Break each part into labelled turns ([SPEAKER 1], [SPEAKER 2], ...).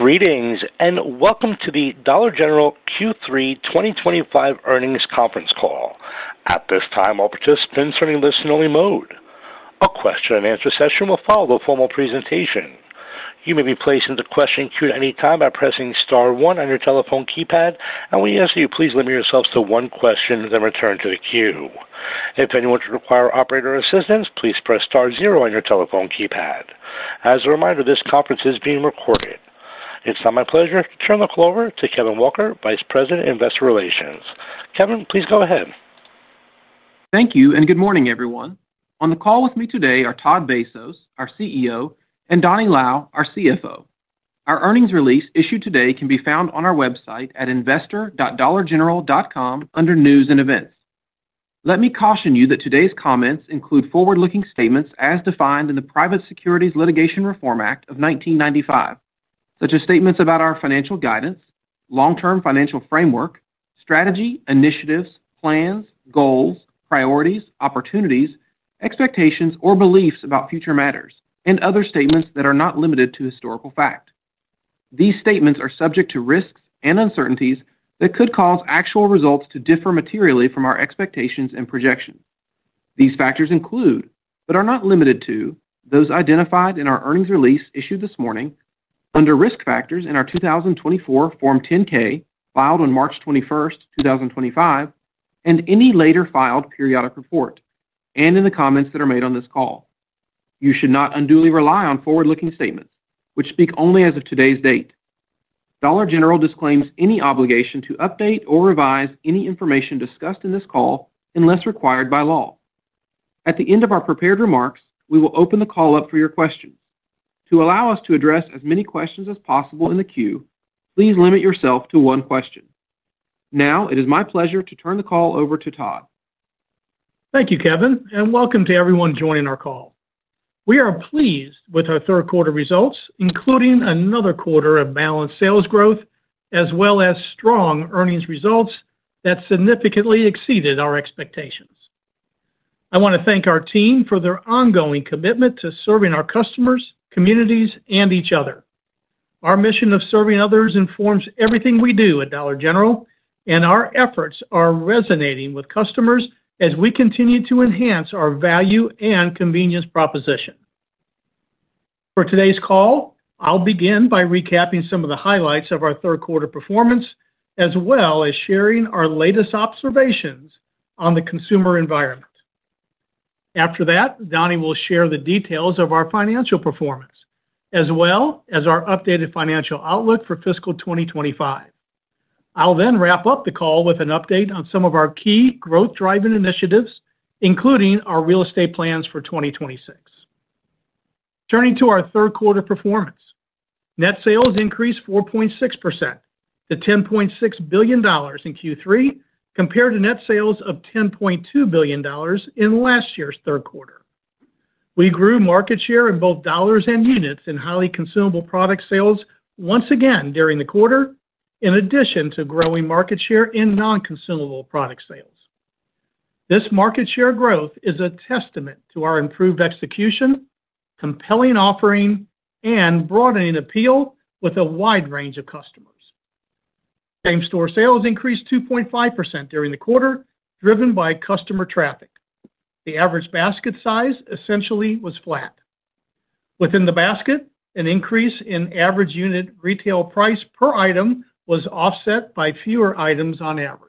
[SPEAKER 1] Greetings and welcome to the Dollar General Q3 2025 Earnings Conference Call. At this time, all participants are in listen-only mode. A question-and-answer session will follow the formal presentation. You may be placed into question queue at any time by pressing star one on your telephone keypad, and when you answer, you please limit yourselves to one question and then return to the queue. If anyone should require operator assistance, please press star zero on your telephone keypad. As a reminder, this conference is being recorded. It's now my pleasure to turn the call over to Kevin Walker, Vice President, Investor Relations. Kevin, please go ahead.
[SPEAKER 2] Thank you and good morning, everyone. On the call with me today are Todd Vasos, our CEO, and Donny Lau, our CFO. Our earnings release issued today can be found on our website at investor.dollargeneral.com under News and Events. Let me caution you that today's comments include forward-looking statements as defined in the Private Securities Litigation Reform Act of 1995, such as statements about our financial guidance, long-term financial framework, strategy, initiatives, plans, goals, priorities, opportunities, expectations, or beliefs about future matters, and other statements that are not limited to historical fact. These statements are subject to risks and uncertainties that could cause actual results to differ materially from our expectations and projections. These factors include, but are not limited to, those identified in our earnings release issued this morning, under risk factors in our 2024 Form 10-K filed on March 21st, 2025, and any later filed periodic report, and in the comments that are made on this call. You should not unduly rely on forward-looking statements, which speak only as of today's date. Dollar General disclaims any obligation to update or revise any information discussed in this call unless required by law. At the end of our prepared remarks, we will open the call up for your questions. To allow us to address as many questions as possible in the queue, please limit yourself to one question. Now, it is my pleasure to turn the call over to Todd.
[SPEAKER 3] Thank you, Kevin, and welcome to everyone joining our call. We are pleased with our third-quarter results, including another quarter of balanced sales growth, as well as strong earnings results that significantly exceeded our expectations. I want to thank our team for their ongoing commitment to serving our customers, communities, and each other. Our mission of serving others informs everything we do at Dollar General, and our efforts are resonating with customers as we continue to enhance our value and convenience proposition. For today's call, I'll begin by recapping some of the highlights of our third-quarter performance, as well as sharing our latest observations on the consumer environment. After that, Donny will share the details of our financial performance, as well as our updated financial outlook for fiscal 2025. I'll then wrap up the call with an update on some of our key growth-driving initiatives, including our real estate plans for 2026. Turning to our third-quarter performance, net sales increased 4.6% to $10.6 billion in Q3, compared to net sales of $10.2 billion in last year's third quarter. We grew market share in both dollars and units in highly consumable product sales once again during the quarter, in addition to growing market share in non-consumable product sales. This market share growth is a testament to our improved execution, compelling offering, and broadening appeal with a wide range of customers. Same-store sales increased 2.5% during the quarter, driven by customer traffic. The average basket size essentially was flat. Within the basket, an increase in average unit retail price per item was offset by fewer items on average.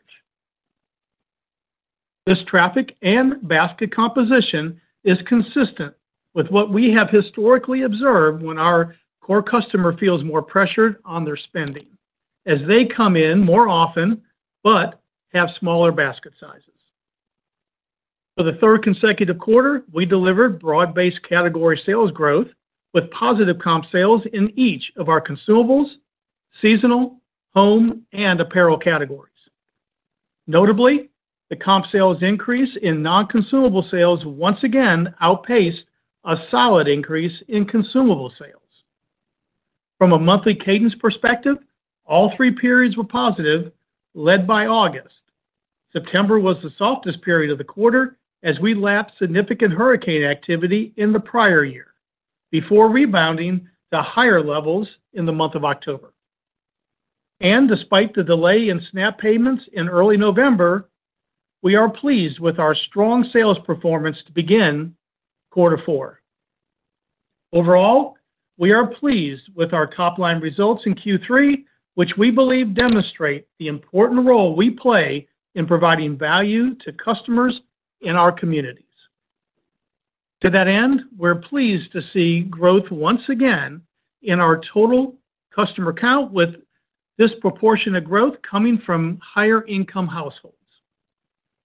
[SPEAKER 3] This traffic and basket composition is consistent with what we have historically observed when our core customer feels more pressured on their spending, as they come in more often but have smaller basket sizes. For the third consecutive quarter, we delivered broad-based category sales growth with positive comp sales in each of our consumables, seasonal, home, and apparel categories. Notably, the comp sales increase in non-consumable sales once again outpaced a solid increase in consumable sales. From a monthly cadence perspective, all three periods were positive, led by August. September was the softest period of the quarter, as we lapped significant hurricane activity in the prior year before rebounding to higher levels in the month of October, and despite the delay in SNAP payments in early November, we are pleased with our strong sales performance to begin quarter four. Overall, we are pleased with our top-line results in Q3, which we believe demonstrate the important role we play in providing value to customers in our communities. To that end, we're pleased to see growth once again in our total customer count, with this proportion of growth coming from higher-income households.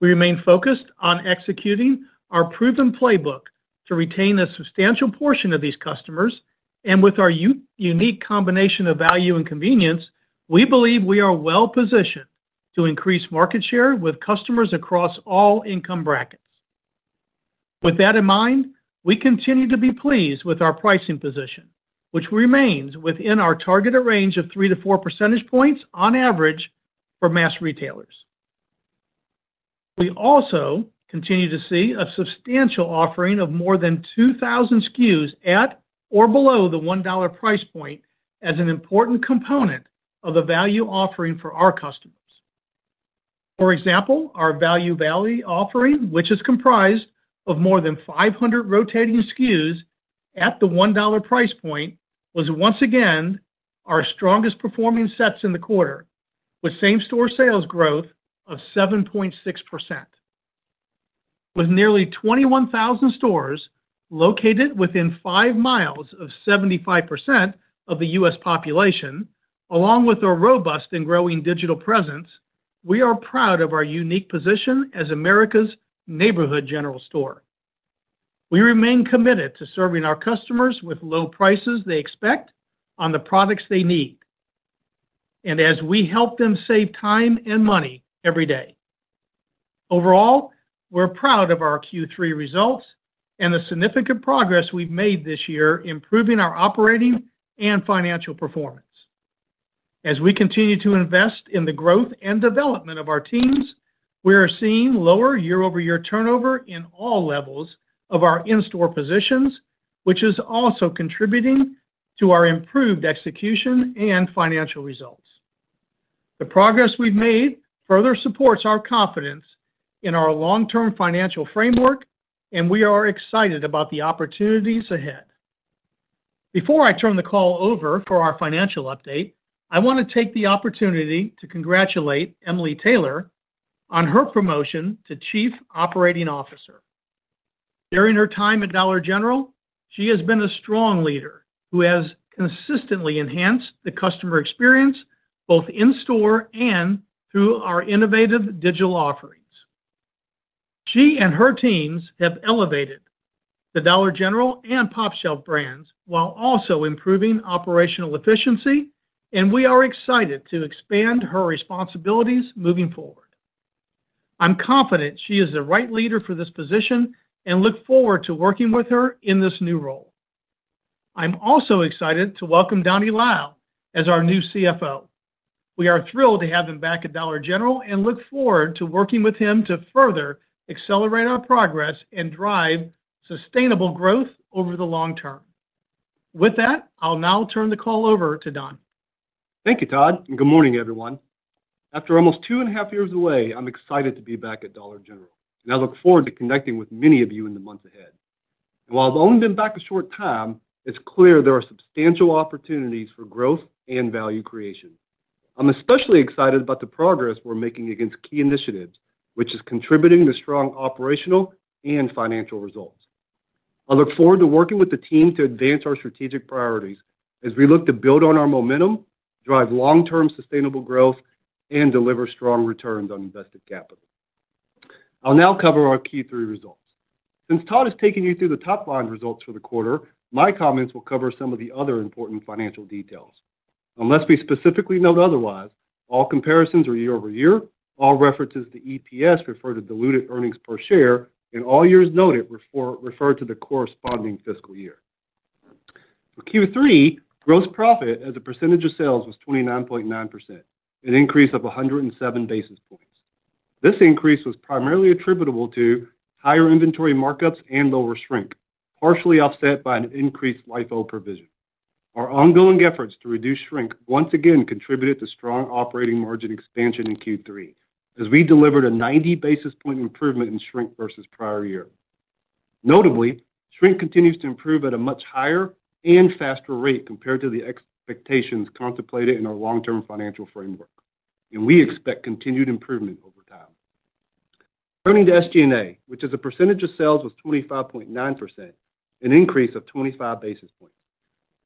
[SPEAKER 3] We remain focused on executing our proven playbook to retain a substantial portion of these customers, and with our unique combination of value and convenience, we believe we are well-positioned to increase market share with customers across all income brackets. With that in mind, we continue to be pleased with our pricing position, which remains within our targeted range of three to four percentage points on average for mass retailers. We also continue to see a substantial offering of more than 2,000 SKUs at or below the $1 price point as an important component of the value offering for our customers. For example, our Value Valley offering, which is comprised of more than 500 rotating SKUs at the $1 price point, was once again our strongest-performing sets in the quarter, with same-store sales growth of 7.6%. With nearly 21,000 stores located within five miles of 75% of the U.S. population, along with a robust and growing digital presence, we are proud of our unique position as America's Neighborhood General Store. We remain committed to serving our customers with low prices they expect on the products they need, and as we help them save time and money every day. Overall, we're proud of our Q3 results and the significant progress we've made this year, improving our operating and financial performance. As we continue to invest in the growth and development of our teams, we are seeing lower year-over-year turnover in all levels of our in-store positions, which is also contributing to our improved execution and financial results. The progress we've made further supports our confidence in our long-term financial framework, and we are excited about the opportunities ahead. Before I turn the call over for our financial update, I want to take the opportunity to congratulate Emily Taylor on her promotion to Chief Operating Officer. During her time at Dollar General, she has been a strong leader who has consistently enhanced the customer experience both in-store and through our innovative digital offerings. She and her teams have elevated the Dollar General and pOpshelf brands while also improving operational efficiency, and we are excited to expand her responsibilities moving forward. I'm confident she is the right leader for this position and look forward to working with her in this new role. I'm also excited to welcome Donny Lau as our new CFO. We are thrilled to have him back at Dollar General and look forward to working with him to further accelerate our progress and drive sustainable growth over the long term. With that, I'll now turn the call over to Donny.
[SPEAKER 4] Thank you, Todd, and good morning, everyone. After almost two and a half years away, I'm excited to be back at Dollar General, and I look forward to connecting with many of you in the months ahead, and while I've only been back a short time, it's clear there are substantial opportunities for growth and value creation. I'm especially excited about the progress we're making against key initiatives, which is contributing to strong operational and financial results. I look forward to working with the team to advance our strategic priorities as we look to build on our momentum, drive long-term sustainable growth, and deliver strong returns on invested capital. I'll now cover our Q3 results. Since Todd has taken you through the top-line results for the quarter, my comments will cover some of the other important financial details. Unless we specifically note otherwise, all comparisons are year-over-year. All references to EPS refer to diluted earnings per share, and all years noted refer to the corresponding fiscal year. For Q3, gross profit as a percentage of sales was 29.9%, an increase of 107 basis points. This increase was primarily attributable to higher inventory markups and lower shrink, partially offset by an increased LIFO provision. Our ongoing efforts to reduce shrink once again contributed to strong operating margin expansion in Q3, as we delivered a 90 basis point improvement in shrink versus prior year. Notably, shrink continues to improve at a much higher and faster rate compared to the expectations contemplated in our long-term financial framework, and we expect continued improvement over time. Turning to SG&A, which is a percentage of sales, was 25.9%, an increase of 25 basis points.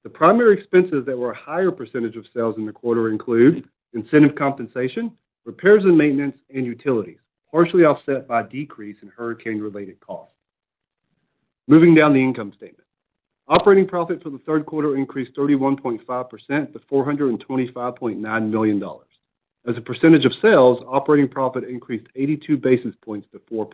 [SPEAKER 4] The primary expenses that were a higher percentage of sales in the quarter include incentive compensation, repairs and maintenance, and utilities, partially offset by a decrease in hurricane-related costs. Moving down the income statement, operating profit for the third quarter increased 31.5% to $425.9 million. As a percentage of sales, operating profit increased 82 basis points to 4%.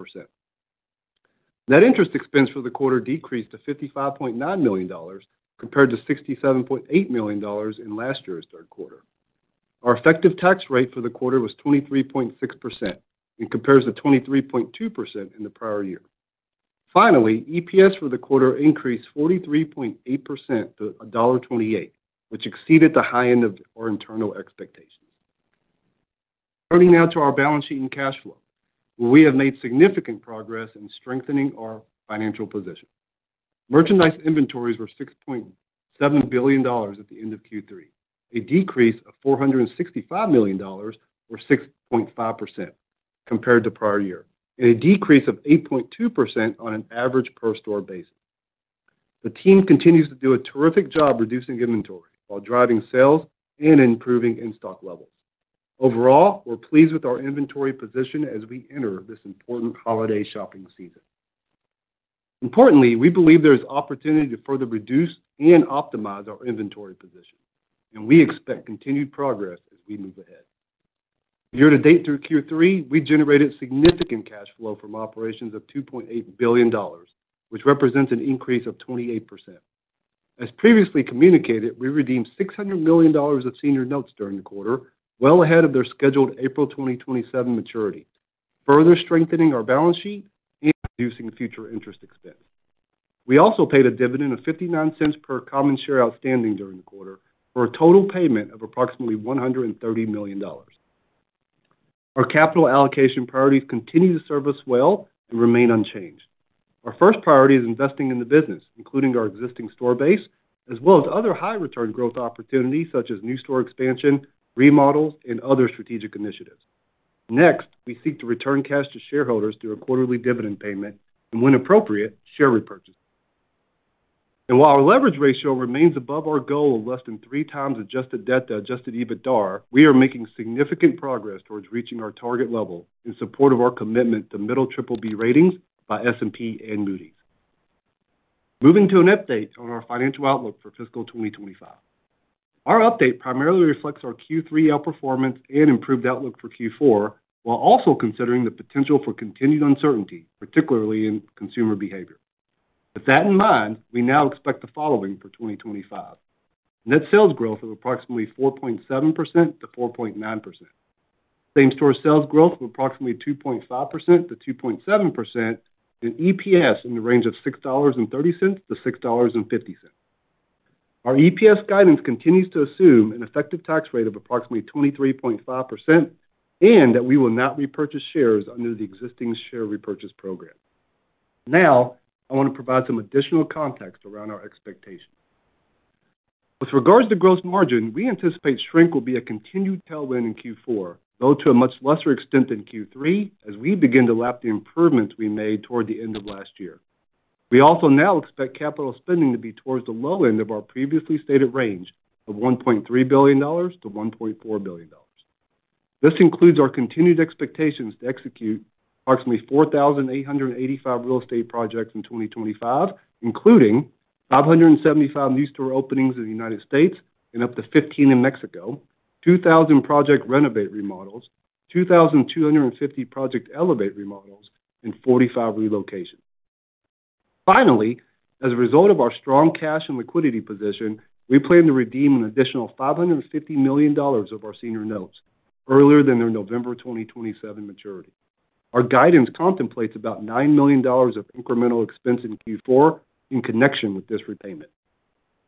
[SPEAKER 4] Net interest expense for the quarter decreased to $55.9 million compared to $67.8 million in last year's third quarter. Our effective tax rate for the quarter was 23.6% and compares to 23.2% in the prior year. Finally, EPS for the quarter increased 43.8% to $1.28, which exceeded the high end of our internal expectations. Turning now to our balance sheet and cash flow, we have made significant progress in strengthening our financial position. Merchandise inventories were $6.7 billion at the end of Q3, a decrease of $465 million or 6.5% compared to prior year, and a decrease of 8.2% on an average per-store basis. The team continues to do a terrific job reducing inventory while driving sales and improving in-stock levels. Overall, we're pleased with our inventory position as we enter this important holiday shopping season. Importantly, we believe there is opportunity to further reduce and optimize our inventory position, and we expect continued progress as we move ahead. Year-to-date through Q3, we generated significant cash flow from operations of $2.8 billion, which represents an increase of 28%. As previously communicated, we redeemed $600 million of senior notes during the quarter, well ahead of their scheduled April 2027 maturity, further strengthening our balance sheet and reducing future interest expense. We also paid a dividend of $0.59 per common share outstanding during the quarter for a total payment of approximately $130 million. Our capital allocation priorities continue to serve us well and remain unchanged. Our first priority is investing in the business, including our existing store base, as well as other high-return growth opportunities such as new store expansion, remodels, and other strategic initiatives. Next, we seek to return cash to shareholders through a quarterly dividend payment and, when appropriate, share repurchase. And while our leverage ratio remains above our goal of less than three times adjusted debt to adjusted EBITDA, we are making significant progress towards reaching our target level in support of our commitment to middle BBB ratings by S&P and Moody's. Moving to an update on our financial outlook for fiscal 2025. Our update primarily reflects our Q3 outperformance and improved outlook for Q4, while also considering the potential for continued uncertainty, particularly in consumer behavior. With that in mind, we now expect the following for 2025: net sales growth of approximately 4.7%-4.9%, same-store sales growth of approximately 2.5%-2.7%, and EPS in the range of $6.30-$6.50. Our EPS guidance continues to assume an effective tax rate of approximately 23.5% and that we will not repurchase shares under the existing share repurchase program. Now, I want to provide some additional context around our expectations. With regards to gross margin, we anticipate shrink will be a continued tailwind in Q4, though to a much lesser extent than Q3, as we begin to lap the improvements we made toward the end of last year. We also now expect capital spending to be towards the low end of our previously stated range of $1.3 billion-$1.4 billion. This includes our continued expectations to execute approximately 4,885 real estate projects in 2025, including 575 new store openings in the United States and up to 15 in Mexico, 2,000 Project Renovate remodels, 2,250 Project Elevate remodels, and 45 relocations. Finally, as a result of our strong cash and liquidity position, we plan to redeem an additional $550 million of our senior notes earlier than their November 2027 maturity. Our guidance contemplates about $9 million of incremental expense in Q4 in connection with this repayment.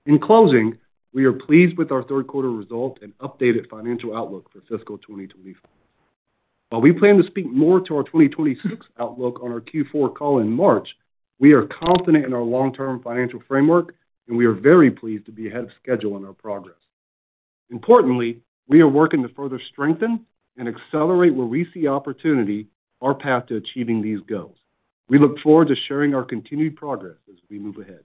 [SPEAKER 4] In closing, we are pleased with our third quarter result and updated financial outlook for Fiscal 2025. While we plan to speak more to our 2026 outlook on our Q4 call in March, we are confident in our long-term financial framework, and we are very pleased to be ahead of schedule in our progress. Importantly, we are working to further strengthen and accelerate where we see opportunity, our path to achieving these goals. We look forward to sharing our continued progress as we move ahead.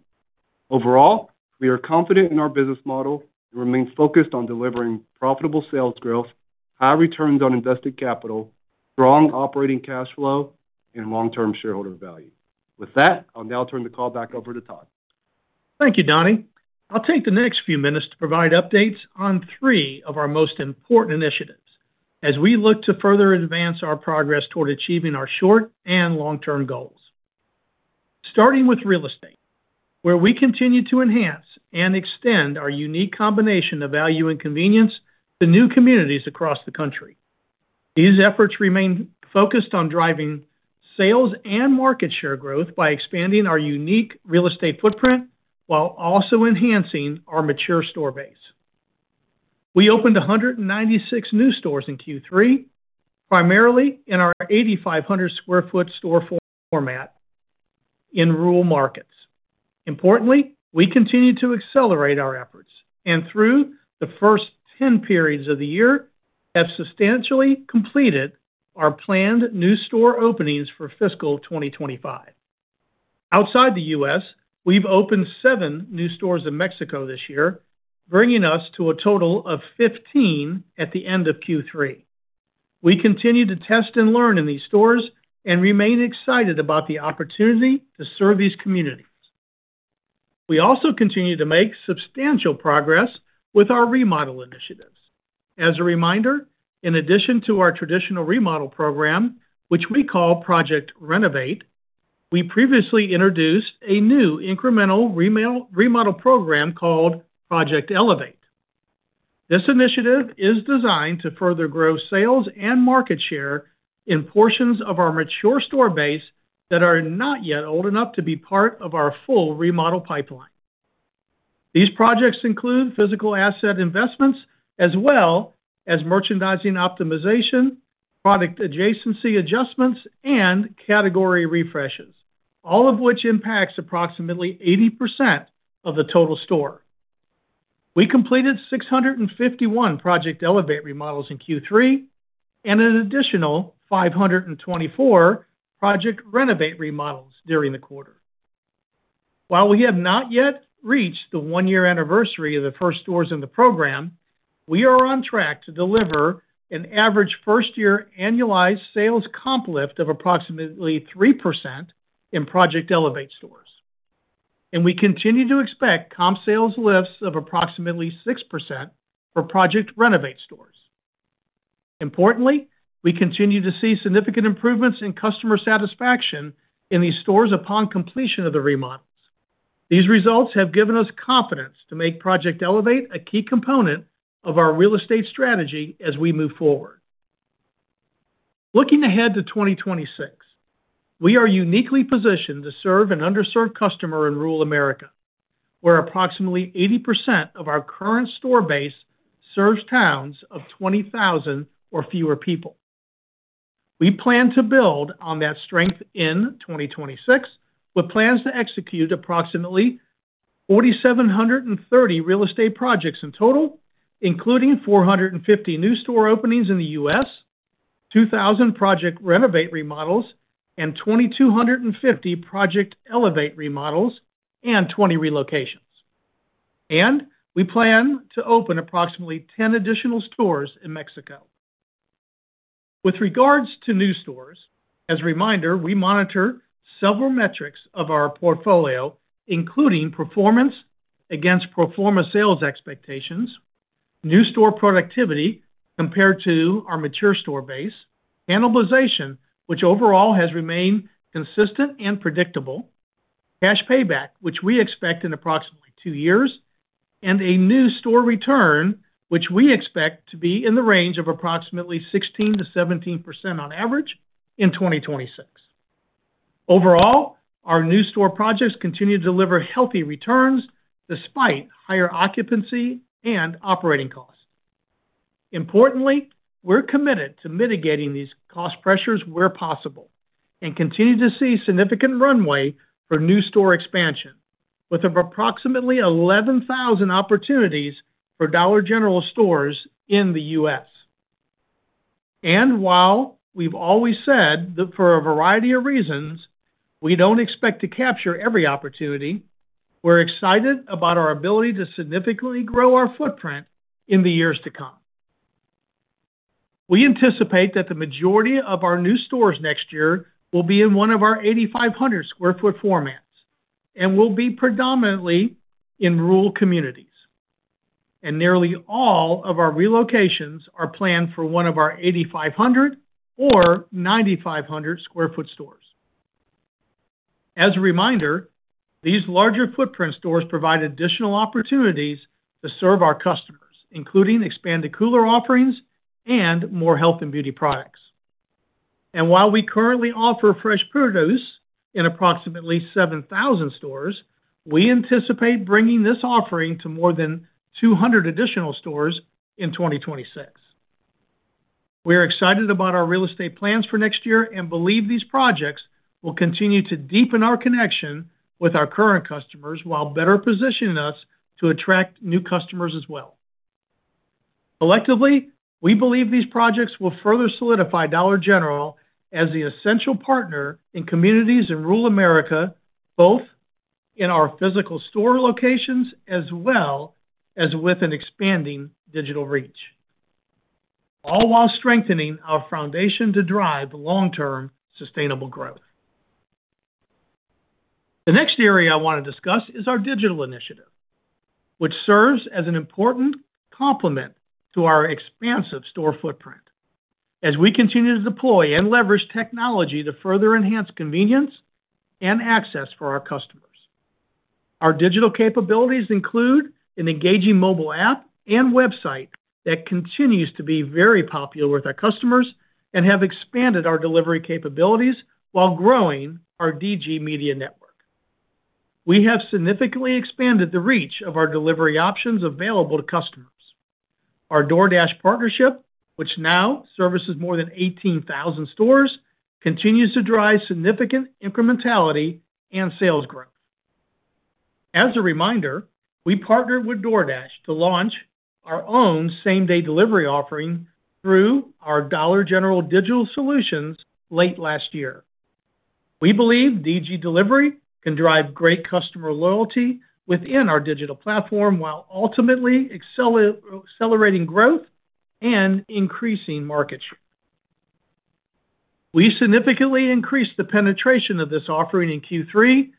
[SPEAKER 4] Overall, we are confident in our business model and remain focused on delivering profitable sales growth, high returns on invested capital, strong operating cash flow, and long-term shareholder value. With that, I'll now turn the call back over to Todd.
[SPEAKER 3] Thank you, Donny. I'll take the next few minutes to provide updates on three of our most important initiatives as we look to further advance our progress toward achieving our short and long-term goals. Starting with real estate, where we continue to enhance and extend our unique combination of value and convenience to new communities across the country. These efforts remain focused on driving sales and market share growth by expanding our unique real estate footprint while also enhancing our mature store base. We opened 196 new stores in Q3, primarily in our 8,500 sq ft store format in rural markets. Importantly, we continue to accelerate our efforts and, through the first 10 periods of the year, have substantially completed our planned new store openings for Fiscal 2025. Outside the U.S., we've opened seven new stores in Mexico this year, bringing us to a total of 15 at the end of Q3. We continue to test and learn in these stores and remain excited about the opportunity to serve these communities. We also continue to make substantial progress with our remodel initiatives. As a reminder, in addition to our traditional remodel program, which we call Project Renovate, we previously introduced a new incremental remodel program called Project Elevate. This initiative is designed to further grow sales and market share in portions of our mature store base that are not yet old enough to be part of our full remodel pipeline. These projects include physical asset investments, as well as merchandising optimization, product adjacency adjustments, and category refreshes, all of which impacts approximately 80% of the total store. We completed 651 Project Elevate remodels in Q3 and an additional 524 Project Renovate remodels during the quarter. While we have not yet reached the one-year anniversary of the first stores in the program, we are on track to deliver an average first-year annualized sales comp lift of approximately 3% in Project Elevate stores, and we continue to expect comp sales lifts of approximately 6% for Project Renovate stores. Importantly, we continue to see significant improvements in customer satisfaction in these stores upon completion of the remodels. These results have given us confidence to make Project Elevate a key component of our real estate strategy as we move forward. Looking ahead to 2026, we are uniquely positioned to serve an underserved customer rural America, where approximately 80% of our current store base serves towns of 20,000 or fewer people. We plan to build on that strength in 2026 with plans to execute approximately 4,730 real estate projects in total, including 450 new store openings in the U.S., 2,000 Project Renovate remodels, and 2,250 Project Elevate remodels and 20 relocations. We plan to open approximately 10 additional stores in Mexico. With regards to new stores, as a reminder, we monitor several metrics of our portfolio, including performance against pro forma sales expectations, new store productivity compared to our mature store base, cannibalization, which overall has remained consistent and predictable, cash payback, which we expect in approximately two years, and a new store return, which we expect to be in the range of approximately 16%-17% on average in 2026. Overall, our new store projects continue to deliver healthy returns despite higher occupancy and operating costs. Importantly, we're committed to mitigating these cost pressures where possible and continue to see significant runway for new store expansion, with approximately 11,000 opportunities for Dollar General stores in the U.S., and while we've always said that for a variety of reasons, we don't expect to capture every opportunity, we're excited about our ability to significantly grow our footprint in the years to come. We anticipate that the majority of our new stores next year will be in one of our 8,500 sq ft formats and will be predominantly in rural communities, and nearly all of our relocations are planned for one of our 8,500- or 9,500-sq ft stores. As a reminder, these larger footprint stores provide additional opportunities to serve our customers, including expanded cooler offerings and more health and beauty products. While we currently offer fresh produce in approximately 7,000 stores, we anticipate bringing this offering to more than 200 additional stores in 2026. We are excited about our real estate plans for next year and believe these projects will continue to deepen our connection with our current customers while better positioning us to attract new customers as well. Collectively, we believe these projects will further solidify Dollar General as the essential partner in communities rural America, both in our physical store locations as well as with an expanding digital reach, all while strengthening our foundation to drive long-term sustainable growth. The next area I want to discuss is our digital initiative, which serves as an important complement to our expansive store footprint as we continue to deploy and leverage technology to further enhance convenience and access for our customers. Our digital capabilities include an engaging mobile app and website that continues to be very popular with our customers and have expanded our delivery capabilities while growing our DG Media Network. We have significantly expanded the reach of our delivery options available to customers. Our DoorDash partnership, which now services more than 18,000 stores, continues to drive significant incrementality and sales growth. As a reminder, we partnered with DoorDash to launch our own same-day delivery offering through our Dollar General Digital Solutions late last year. We believe DG Delivery can drive great customer loyalty within our digital platform while ultimately accelerating growth and increasing market share. We significantly increased the penetration of this offering in Q3,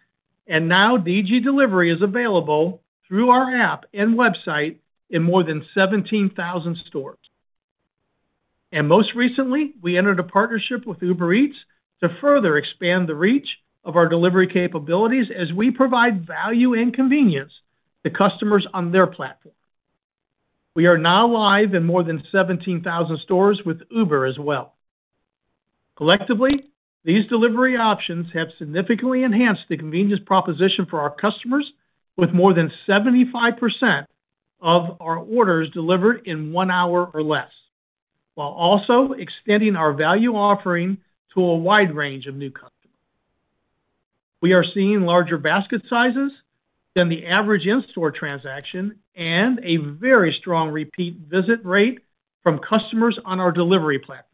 [SPEAKER 3] and now DG Delivery is available through our app and website in more than 17,000 stores. Most recently, we entered a partnership with Uber Eats to further expand the reach of our delivery capabilities as we provide value and convenience to customers on their platform. We are now live in more than 17,000 stores with Uber as well. Collectively, these delivery options have significantly enhanced the convenience proposition for our customers, with more than 75% of our orders delivered in one hour or less, while also extending our value offering to a wide range of new customers. We are seeing larger basket sizes than the average in-store transaction and a very strong repeat visit rate from customers on our delivery platform.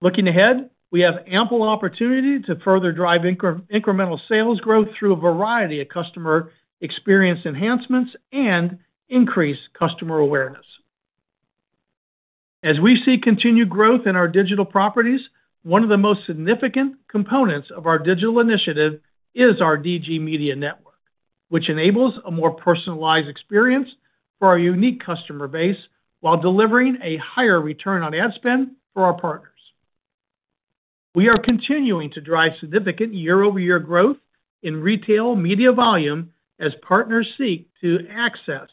[SPEAKER 3] Looking ahead, we have ample opportunity to further drive incremental sales growth through a variety of customer experience enhancements and increase customer awareness. As we see continued growth in our digital properties, one of the most significant components of our digital initiative is our DG Media Network, which enables a more personalized experience for our unique customer base while delivering a higher return on ad spend for our partners. We are continuing to drive significant year-over-year growth in retail media volume as partners seek to access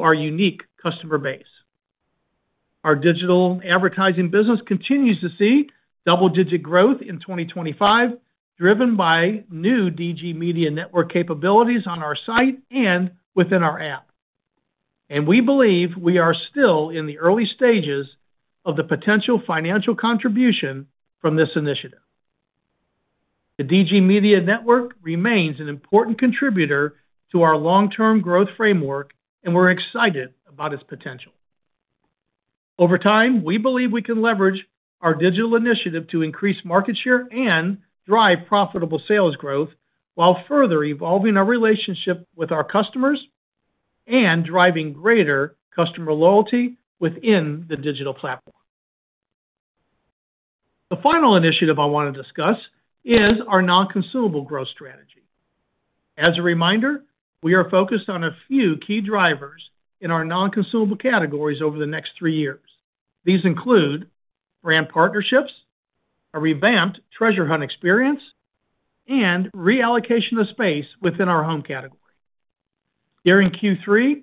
[SPEAKER 3] our unique customer base. Our digital advertising business continues to see double-digit growth in 2025, driven by new DG Media Network capabilities on our site and within our app, and we believe we are still in the early stages of the potential financial contribution from this initiative. The DG Media Network remains an important contributor to our long-term growth framework, and we're excited about its potential. Over time, we believe we can leverage our digital initiative to increase market share and drive profitable sales growth while further evolving our relationship with our customers and driving greater customer loyalty within the digital platform. The final initiative I want to discuss is our non-consumable growth strategy. As a reminder, we are focused on a few key drivers in our non-consumable categories over the next three years. These include brand partnerships, a revamped treasure hunt experience, and reallocation of space within our home category. During Q3,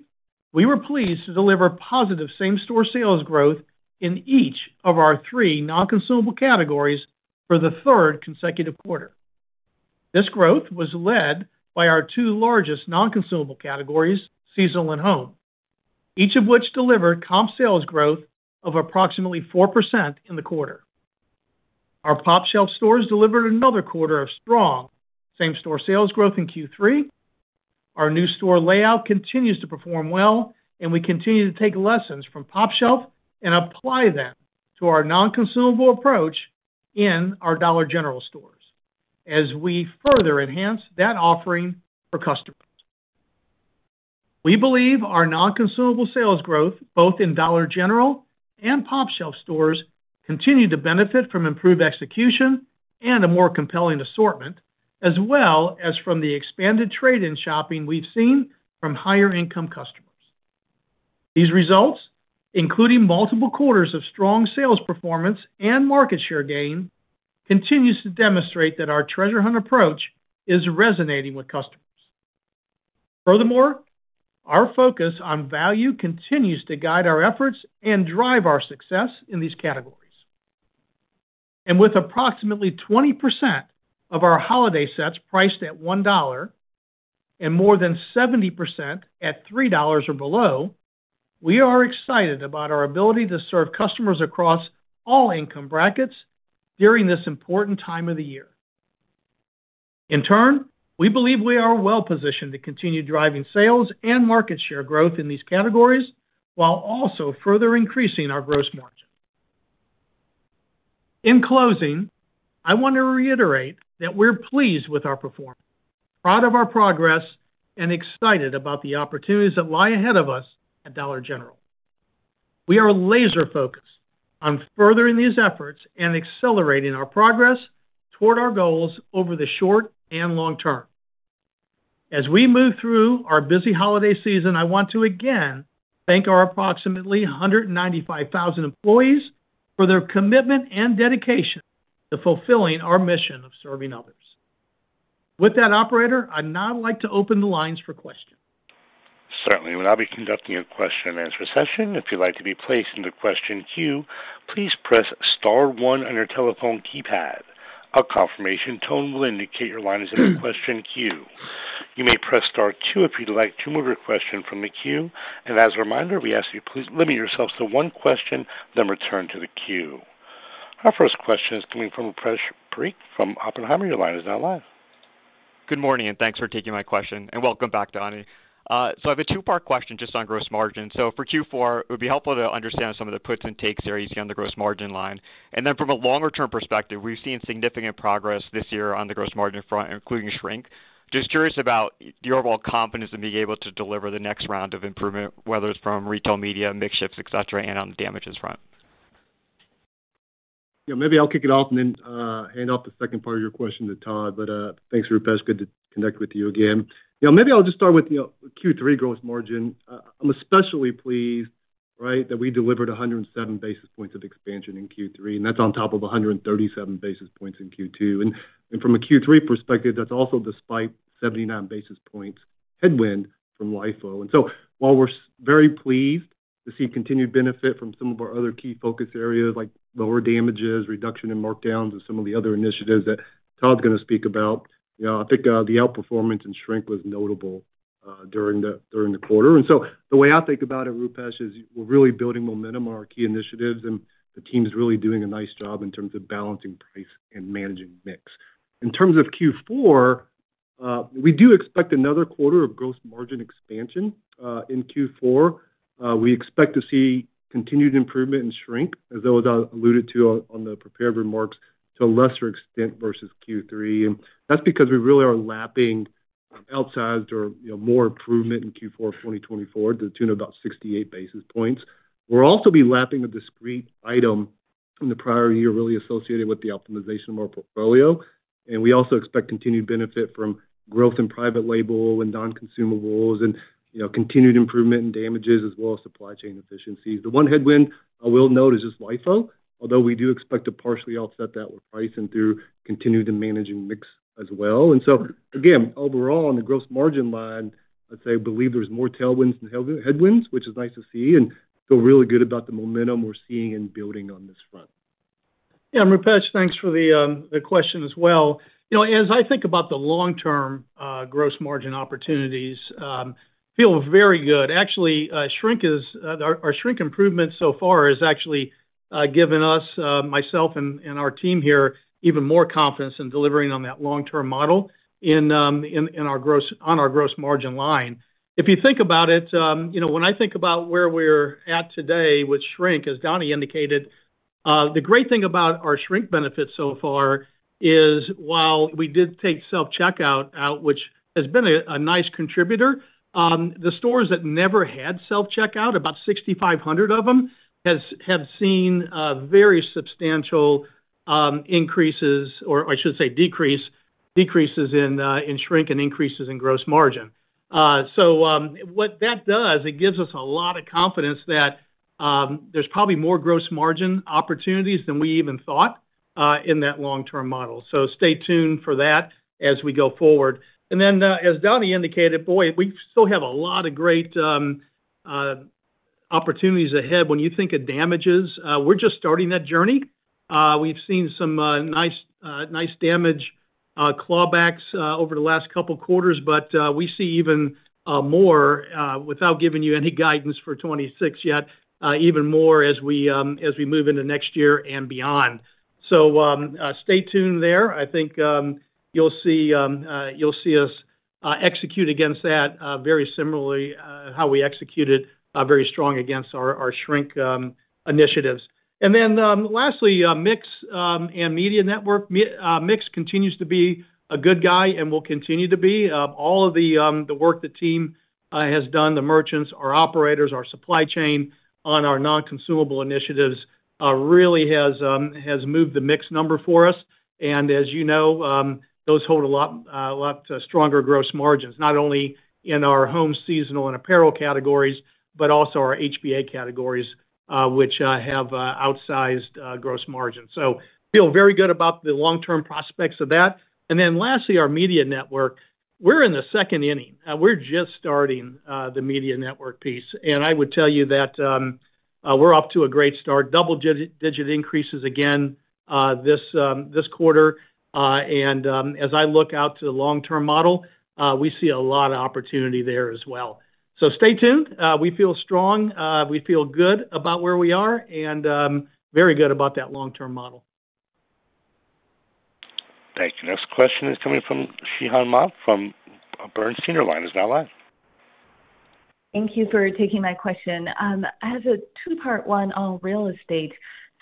[SPEAKER 3] we were pleased to deliver positive same-store sales growth in each of our three non-consumable categories for the third consecutive quarter. This growth was led by our two largest non-consumable categories, seasonal and home, each of which delivered comp sales growth of approximately 4% in the quarter. Our pOpshelf stores delivered another quarter of strong same-store sales growth in Q3. Our new store layout continues to perform well, and we continue to take lessons from pOpshelf and apply them to our non-consumable approach in our Dollar General stores as we further enhance that offering for customers. We believe our non-consumable sales growth, both in Dollar General and pOpshelf stores, continues to benefit from improved execution and a more compelling assortment, as well as from the expanded trade-down shopping we've seen from higher-income customers. These results, including multiple quarters of strong sales performance and market share gain, continue to demonstrate that our treasure hunt approach is resonating with customers. Furthermore, our focus on value continues to guide our efforts and drive our success in these categories. With approximately 20% of our holiday sets priced at $1 and more than 70% at $3 or below, we are excited about our ability to serve customers across all income brackets during this important time of the year. In turn, we believe we are well-positioned to continue driving sales and market share growth in these categories while also further increasing our gross margin. In closing, I want to reiterate that we're pleased with our performance, proud of our progress, and excited about the opportunities that lie ahead of us at Dollar General. We are laser-focused on furthering these efforts and accelerating our progress toward our goals over the short and long term. As we move through our busy holiday season, I want to again thank our approximately 195,000 employees for their commitment and dedication to fulfilling our mission of serving others. With that, Operator, I'd now like to open the lines for questions.
[SPEAKER 1] Certainly. We'll now be conducting a question-and-answer session. If you'd like to be placed into question queue, please press star one on your telephone keypad. A confirmation tone will indicate your line is in question queue. You may press star two if you'd like to move your question from the queue. And as a reminder, we ask that you limit yourself to one question then return to the queue. Our first question is coming from Oppenheimer. Your line is now live.
[SPEAKER 5] Good morning, and thanks for taking my question. And welcome back, Donny. So I have a two-part question just on gross margin. So for Q4, it would be helpful to understand some of the puts and takes there you see on the gross margin line.
[SPEAKER 6] And then from a longer-term perspective, we've seen significant progress this year on the gross margin front, including shrink. Just curious about the overall confidence in being able to deliver the next round of improvement, whether it's from retail media, mix shifts, etc., and on the shrink front.
[SPEAKER 4] Yeah, maybe I'll kick it off and then hand off the second part of your question to Todd. But thanks, Rupesh. Good to connect with you again. Yeah, maybe I'll just start with Q3 gross margin. I'm especially pleased that we delivered 107 basis points of expansion in Q3, and that's on top of 137 basis points in Q2. And from a Q3 perspective, that's also despite 79 basis points headwind from LIFO. And so, while we're very pleased to see continued benefit from some of our other key focus areas like lower damages, reduction in markdowns, and some of the other initiatives that Todd's going to speak about, I think the outperformance and shrink was notable during the quarter. And so the way I think about it, Rupesh, is we're really building momentum on our key initiatives, and the team's really doing a nice job in terms of balancing price and managing mix. In terms of Q4, we do expect another quarter of gross margin expansion in Q4. We expect to see continued improvement and shrink, as those alluded to on the prepared remarks, to a lesser extent versus Q3. And that's because we really are lapping outsized or more improvement in Q4 of 2024 to the tune of about 68 basis points. We'll also be lapping a discrete item from the prior year really associated with the optimization of our portfolio. And we also expect continued benefit from growth in private label and non-consumables and continued improvement in damages as well as supply chain efficiencies. The one headwind I will note is just LIFO, although we do expect to partially offset that with pricing through continued managing mix as well. And so again, overall, on the gross margin line, I'd say I believe there's more tailwinds than headwinds, which is nice to see and feel really good about the momentum we're seeing and building on this front.
[SPEAKER 3] Yeah, Rupesh, thanks for the question as well. As I think about the long-term gross margin opportunities, I feel very good. Actually, our shrink improvement so far has actually given us, myself and our team here, even more confidence in delivering on that long-term model in our gross margin line. If you think about it, when I think about where we're at today with shrink, as Donny indicated, the great thing about our shrink benefits so far is while we did take self-checkout out, which has been a nice contributor, the stores that never had self-checkout, about 6,500 of them, have seen very substantial increases, or I should say decreases, in shrink and increases in gross margin. So what that does, it gives us a lot of confidence that there's probably more gross margin opportunities than we even thought in that long-term model. So stay tuned for that as we go forward. And then, as Donny indicated, boy, we still have a lot of great opportunities ahead. When you think of damages, we're just starting that journey. We've seen some nice damage clawbacks over the last couple of quarters, but we see even more without giving you any guidance for 2026 yet, even more as we move into next year and beyond. So stay tuned there. I think you'll see us execute against that very similarly how we executed very strong against our shrink initiatives. And then lastly, mix and media network mix continues to be a good guy and will continue to be. All of the work the team has done, the merchants, our operators, our supply chain on our non-consumable initiatives really has moved the mix number for us. And as you know, those hold a lot stronger gross margins, not only in our home seasonal and apparel categories, but also our HBA categories, which have outsized gross margins. So feel very good about the long-term prospects of that. And then lastly, our media network, we're in the second inning. We're just starting the media network piece. And I would tell you that we're off to a great start. Double-digit increases again this quarter. And as I look out to the long-term model, we see a lot of opportunity there as well. So stay tuned. We feel strong. We feel good about where we are and very good about that long-term model.
[SPEAKER 1] Thank you. Next question is coming from Zhihan Ma from Bernstein. Your line is now live.
[SPEAKER 7] Thank you for taking my question. As a two-part one on real estate,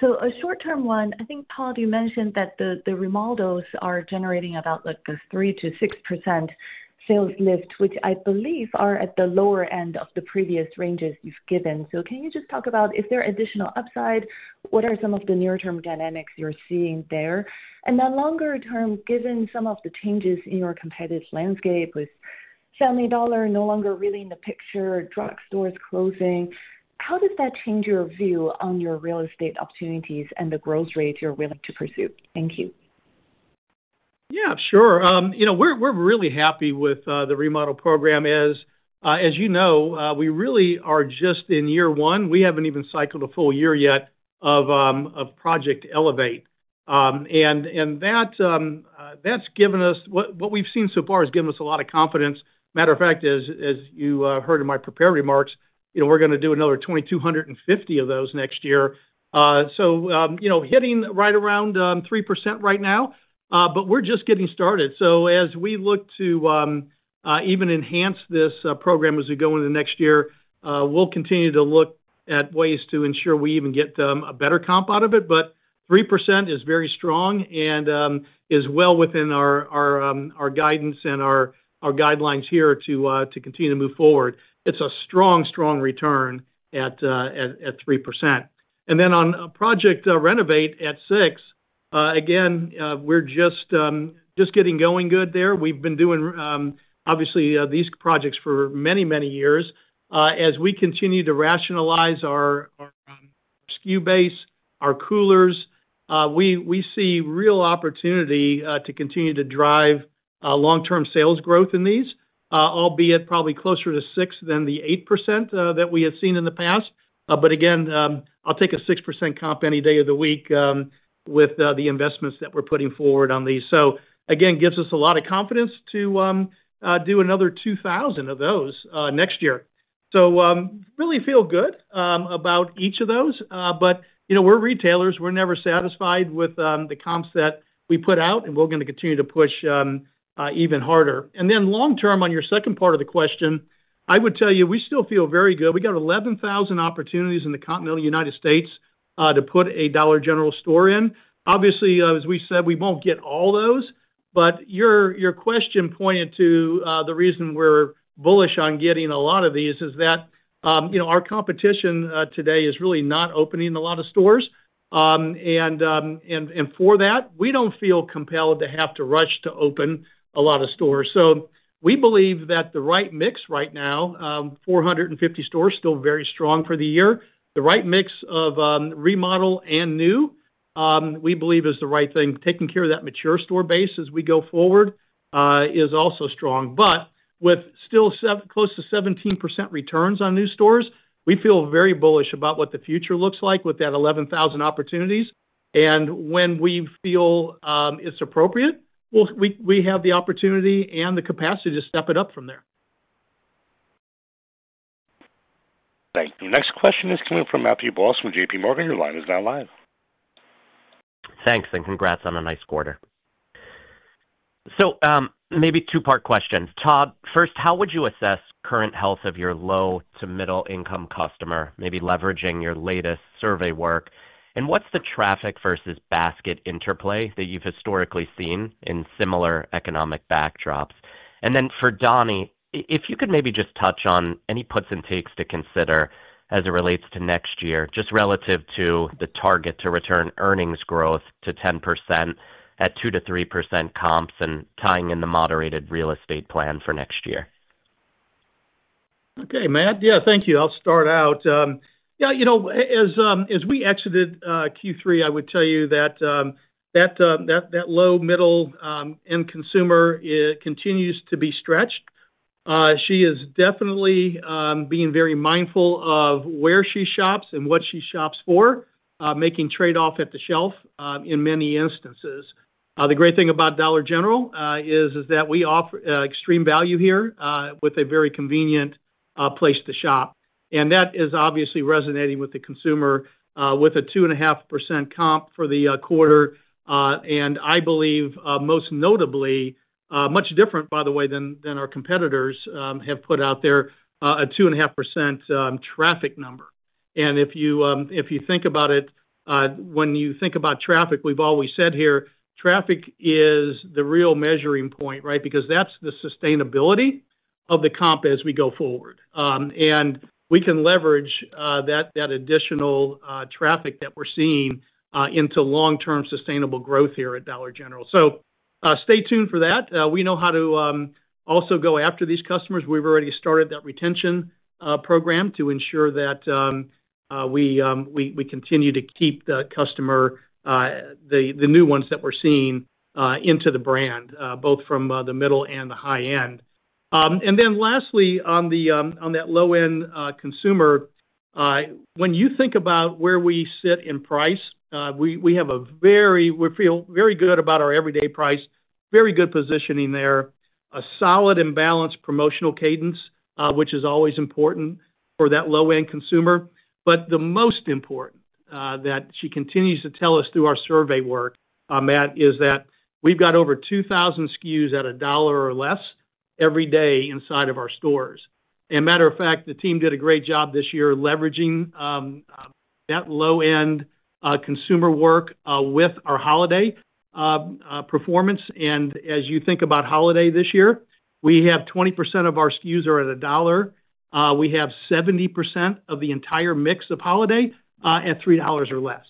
[SPEAKER 7] so a short-term one, I think, Todd, you mentioned that the remodels are generating about like a 3%-6% sales lift, which I believe are at the lower end of the previous ranges you've given. So can you just talk about, is there additional upside? What are some of the near-term dynamics you're seeing there? And then longer term, given some of the changes in your competitive landscape with Family Dollar no longer really in the picture, drugstores closing, how does that change your view on your real estate opportunities and the growth rate you're willing to pursue? Thank you.
[SPEAKER 3] Yeah, sure. We're really happy with the remodel program. As you know, we really are just in year one. We haven't even cycled a full year yet of Project Elevate. And that's given us what we've seen so far a lot of confidence. Matter of fact, as you heard in my prepared remarks, we're going to do another 2,250 of those next year. So hitting right around 3% right now, but we're just getting started. So as we look to even enhance this program as we go into next year, we'll continue to look at ways to ensure we even get a better comp out of it. But 3% is very strong and is well within our guidance and our guidelines here to continue to move forward. It's a strong, strong return at 3%. And then on Project Renovate at 6%, again, we're just getting going good there. We've been doing, obviously, these projects for many, many years. As we continue to rationalize our SKU base, our coolers, we see real opportunity to continue to drive long-term sales growth in these, albeit probably closer to 6% than the 8% that we have seen in the past. But again, I'll take a 6% comp any day of the week with the investments that we're putting forward on these. So again, gives us a lot of confidence to do another 2,000 of those next year. So really feel good about each of those. But we're retailers. We're never satisfied with the comps that we put out, and we're going to continue to push even harder. And then long-term, on your second part of the question, I would tell you we still feel very good. We got 11,000 opportunities in the continental United States to put a Dollar General store in. Obviously, as we said, we won't get all those. But your question pointed to the reason we're bullish on getting a lot of these is that our competition today is really not opening a lot of stores. And for that, we don't feel compelled to have to rush to open a lot of stores. So we believe that the right mix right now, 450 stores, still very strong for the year. The right mix of remodel and new, we believe, is the right thing. Taking care of that mature store base as we go forward is also strong. But with still close to 17% returns on new stores, we feel very bullish about what the future looks like with that 11,000 opportunities. And when we feel it's appropriate, we have the opportunity and the capacity to step it up from there.
[SPEAKER 1] Thank you. Next question is coming from Matthew Boss from J.P. Morgan. Your line is now live.
[SPEAKER 8] Thanks. And congrats on a nice quarter. So maybe two-part questions. Todd, first, how would you assess current health of your low to middle-income customer, maybe leveraging your latest survey work? And what's the traffic versus basket interplay that you've historically seen in similar economic backdrops? And then for Donny, if you could maybe just touch on any puts and takes to consider as it relates to next year, just relative to the target to return earnings growth to 10% at 2%-3% comps and tying in the moderated real estate plan for next year.
[SPEAKER 3] Okay, Matt. Yeah, thank you. I'll start out. Yeah, as we exited Q3, I would tell you that the low- and middle-income consumer continues to be stretched. She is definitely being very mindful of where she shops and what she shops for, making trade-offs at the shelf in many instances. The great thing about Dollar General is that we offer extreme value here with a very convenient place to shop. And that is obviously resonating with the consumer with a 2.5% comp for the quarter. And I believe most notably, much different, by the way, than our competitors have put out there, a 2.5% traffic number. And if you think about it, when you think about traffic, we've always said here, traffic is the real measuring point, right? Because that's the sustainability of the comp as we go forward. And we can leverage that additional traffic that we're seeing into long-term sustainable growth here at Dollar General. So stay tuned for that. We know how to also go after these customers. We've already started that retention program to ensure that we continue to keep the customer, the new ones that we're seeing, into the brand, both from the middle and the high end. And then lastly, on that low-end consumer, when you think about where we sit in price, we have a very—we feel very good about our everyday price, very good positioning there, a solid and balanced promotional cadence, which is always important for that low-end consumer. But the most important that she continues to tell us through our survey work, Matt, is that we've got over 2,000 SKUs at a Dollar or less every day inside of our stores. And matter of fact, the team did a great job this year leveraging that low-end consumer work with our holiday performance. And as you think about holiday this year, we have 20% of our SKUs are at a dollar. We have 70% of the entire mix of holiday at $3 or less.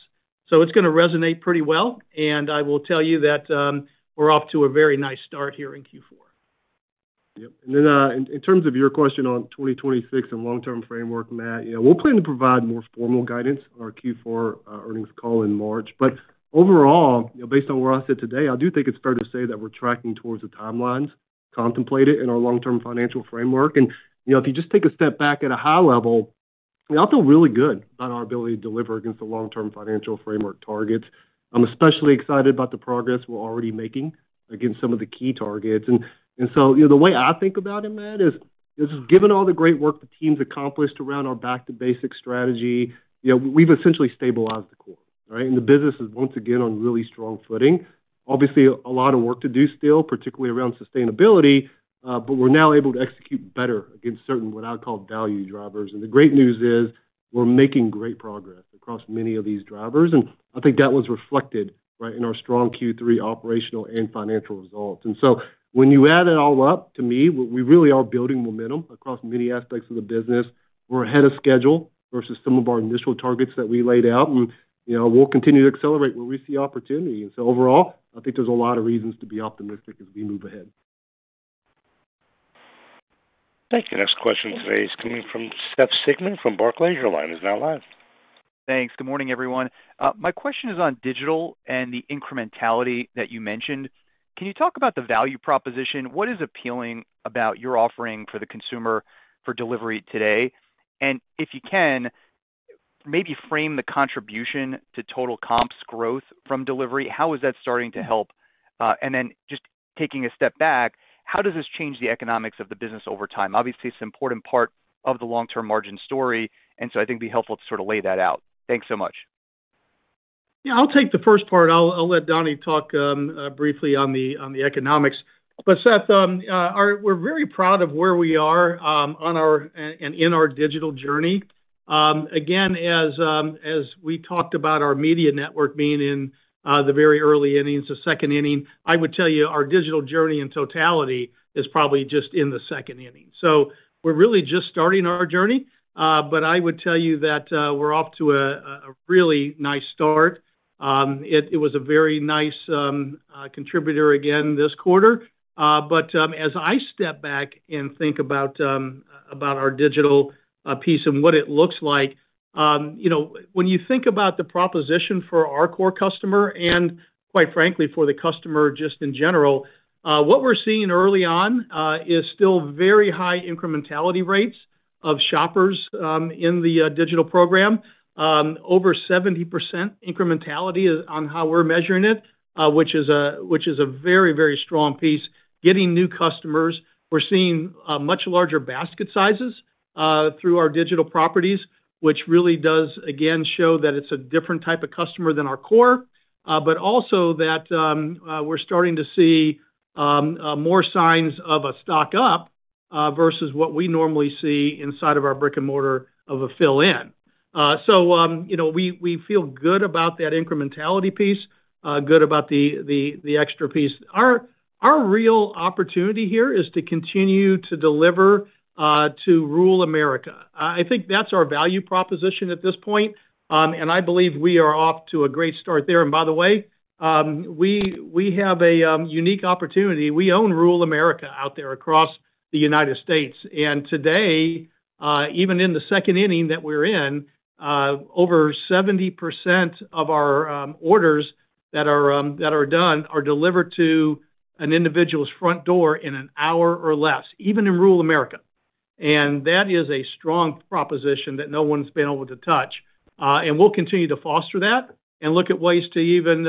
[SPEAKER 3] So it's going to resonate pretty well. And I will tell you that we're off to a very nice start here in Q4.
[SPEAKER 4] Yep. And then in terms of your question on 2026 and long-term framework, Matt, we'll plan to provide more formal guidance on our Q4 earnings call in March. But overall, based on where I sit today, I do think it's fair to say that we're tracking towards the timelines contemplated in our long-term financial framework. And if you just take a step back at a high level, we all feel really good about our ability to deliver against the long-term financial framework targets. I'm especially excited about the progress we're already making against some of the key targets. And so the way I think about it, Matt, is just given all the great work the team's accomplished around our back-to-basic strategy, we've essentially stabilized the core, right? And the business is once again on really strong footing. Obviously, a lot of work to do still, particularly around sustainability, but we're now able to execute better against certain what I call value drivers. And the great news is we're making great progress across many of these drivers. And I think that was reflected in our strong Q3 operational and financial results. And so when you add it all up to me, we really are building momentum across many aspects of the business. We're ahead of schedule versus some of our initial targets that we laid out. And we'll continue to accelerate where we see opportunity. And so overall, I think there's a lot of reasons to be optimistic as we move ahead.
[SPEAKER 1] Thank you. Next question today is coming from Seth Sigman from Barclays. He's now live. Thanks. Good morning, everyone.
[SPEAKER 9] My question is on digital and the incrementality that you mentioned. Can you talk about the value proposition? What is appealing about your offering for the consumer for delivery today? And if you can, maybe frame the contribution to total comps growth from delivery. How is that starting to help? And then just taking a step back, how does this change the economics of the business over time? Obviously, it's an important part of the long-term margin story. And so I think it'd be helpful to sort of lay that out. Thanks so much.
[SPEAKER 3] Yeah, I'll take the first part. I'll let Donny talk briefly on the economics. But Seth, we're very proud of where we are on our end and in our digital journey. Again, as we talked about our media network being in the very early innings, the second inning, I would tell you our digital journey in totality is probably just in the second inning. So we're really just starting our journey. But I would tell you that we're off to a really nice start. It was a very nice contributor again this quarter. But as I step back and think about our digital piece and what it looks like, when you think about the proposition for our core customer and, quite frankly, for the customer just in general, what we're seeing early on is still very high incrementality rates of shoppers in the digital program. Over 70% incrementality is on how we're measuring it, which is a very, very strong piece. Getting new customers, we're seeing much larger basket sizes through our digital properties, which really does, again, show that it's a different type of customer than our core. But also that we're starting to see more signs of a stock up versus what we normally see inside of our brick-and-mortar of a fill-in. So we feel good about that incrementality piece, good about the extra piece. Our real opportunity here is to continue to deliver rural America. i think that's our value proposition at this point. And by the way, we have a unique opportunity. We rural America out there across the United States. Today, even in the second inning that we're in, over 70% of our orders that are done are delivered to an individual's front door in an hour or less, even rural America. that is a strong proposition that no one's been able to touch. We'll continue to foster that and look at ways to even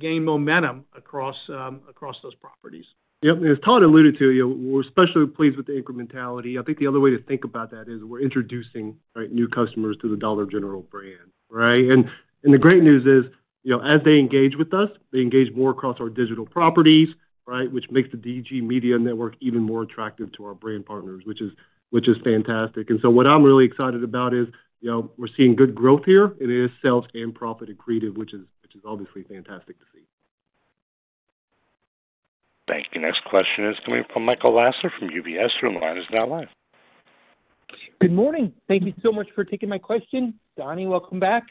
[SPEAKER 3] gain momentum across those properties.
[SPEAKER 4] Yep. As Todd alluded to, we're especially pleased with the incrementality. I think the other way to think about that is we're introducing new customers to the Dollar General brand, right? The great news is as they engage with us, they engage more across our digital properties, right, which makes the DG Media Network even more attractive to our brand partners, which is fantastic. And so what I'm really excited about is we're seeing good growth here in sales, profit, and traffic, which is obviously fantastic to see.
[SPEAKER 1] Thank you. Next question is coming from Michael Lasser from UBS, you're now live.
[SPEAKER 10] Good morning. Thank you so much for taking my question. Donny, welcome back.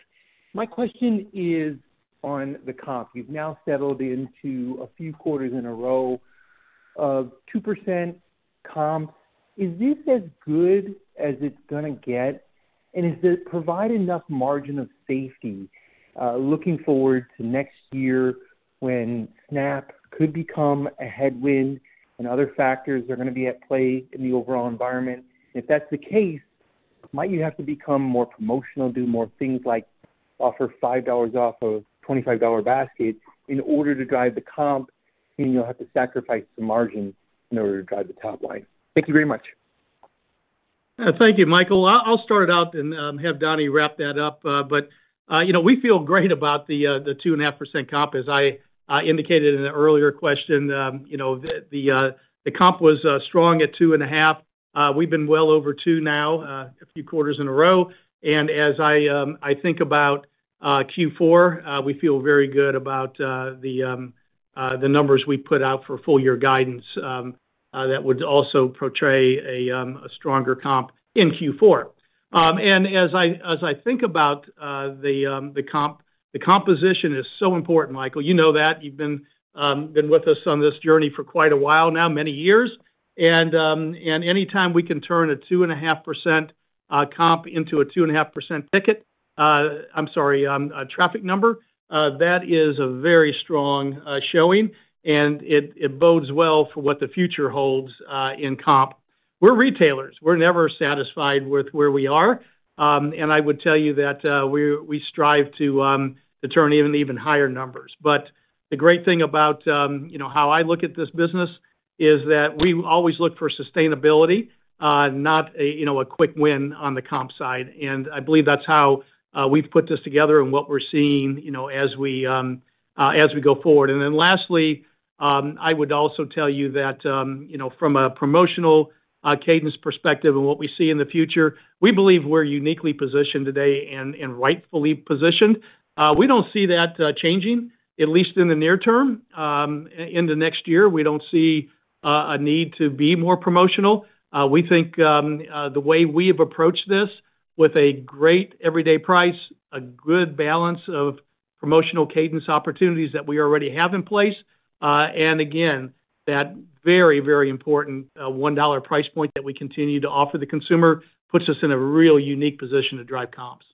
[SPEAKER 10] My question is on the comp. You've now settled into a few quarters in a row of 2% comp. Is this as good as it's going to get? And does it provide enough margin of safety looking forward to next year when SNAP could become a headwind and other factors are going to be at play in the overall environment? If that's the case, might you have to become more promotional, do more things like offer $5 off of $25 baskets in order to drive the comp, and you'll have to sacrifice some margin in order to drive the top line? Thank you very much.
[SPEAKER 3] Thank you, Michael. I'll start it out and have Donny wrap that up, but we feel great about the 2.5% comp. As I indicated in an earlier question, the comp was strong at 2.5%. We've been well over two now a few quarters in a row, and as I think about Q4, we feel very good about the numbers we put out for full-year guidance that would also portray a stronger comp in Q4, and as I think about the comp, the composition is so important, Michael. You know that. You've been with us on this journey for quite a while now, many years. And anytime we can turn a 2.5% comp into a 2.5% ticket, I'm sorry, traffic number, that is a very strong showing. And it bodes well for what the future holds in comp. We're retailers. We're never satisfied with where we are. And I would tell you that we strive to turn even higher numbers. But the great thing about how I look at this business is that we always look for sustainability, not a quick win on the comp side. And I believe that's how we've put this together and what we're seeing as we go forward. And then lastly, I would also tell you that from a promotional cadence perspective and what we see in the future, we believe we're uniquely positioned today and rightfully positioned. We don't see that changing, at least in the near term. In the next year, we don't see a need to be more promotional. We think the way we have approached this with a great everyday price, a good balance of promotional cadence opportunities that we already have in place, and again, that very, very important $1 price point that we continue to offer the consumer puts us in a real unique position to drive comps.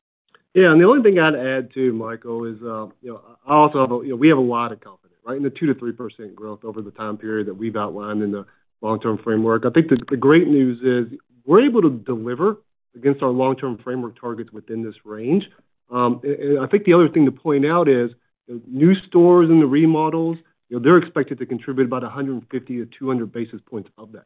[SPEAKER 4] Yeah, and the only thing I'd add too, Michael, is I also have a, we have a lot of confidence, right, in the 2%-3% growth over the time period that we've outlined in the long-term framework. I think the great news is we're able to deliver against our long-term framework targets within this range, and I think the other thing to point out is new stores and the remodels, they're expected to contribute about 150-200 basis points of that.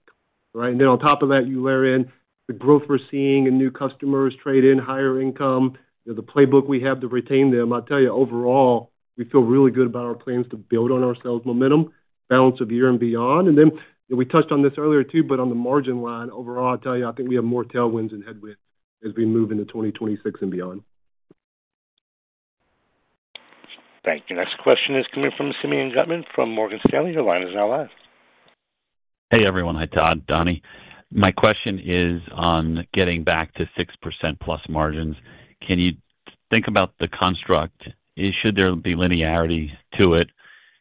[SPEAKER 4] Right? And then on top of that, you layer in the growth we're seeing in new customers, trade-down, higher income, the playbook we have to retain them. I'll tell you, overall, we feel really good about our plans to build on our sales momentum, balance of year and beyond. And then we touched on this earlier too, but on the margin line, overall, I'll tell you, I think we have more tailwinds and headwinds as we move into 2026 and beyond.
[SPEAKER 1] Thank you. Next question is coming from Simeon Gutman from Morgan Stanley. Your line is now live.
[SPEAKER 11] Hey, everyone. Hi, Todd, Donny. My question is on getting back to 6%+ margins. Can you think about the construct? Should there be linearity to it?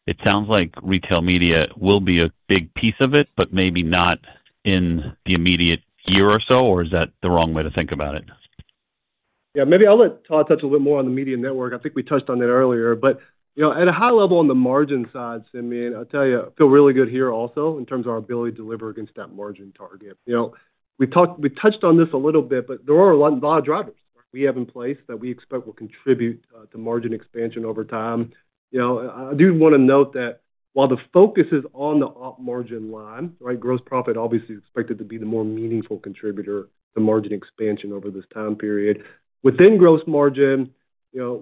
[SPEAKER 11] It sounds like retail media will be a big piece of it, but maybe not in the immediate year or so, or is that the wrong way to think about it?
[SPEAKER 4] Yeah. Maybe I'll let Todd touch a little bit more on the media network. I think we touched on that earlier. But at a high level on the margin side, Simeon, I'll tell you, I feel really good here also in terms of our ability to deliver against that margin target. We touched on this a little bit, but there are a lot of drivers we have in place that we expect will contribute to margin expansion over time. I do want to note that while the focus is on the up margin line, right, gross profit obviously is expected to be the more meaningful contributor to margin expansion over this time period. Within gross margin,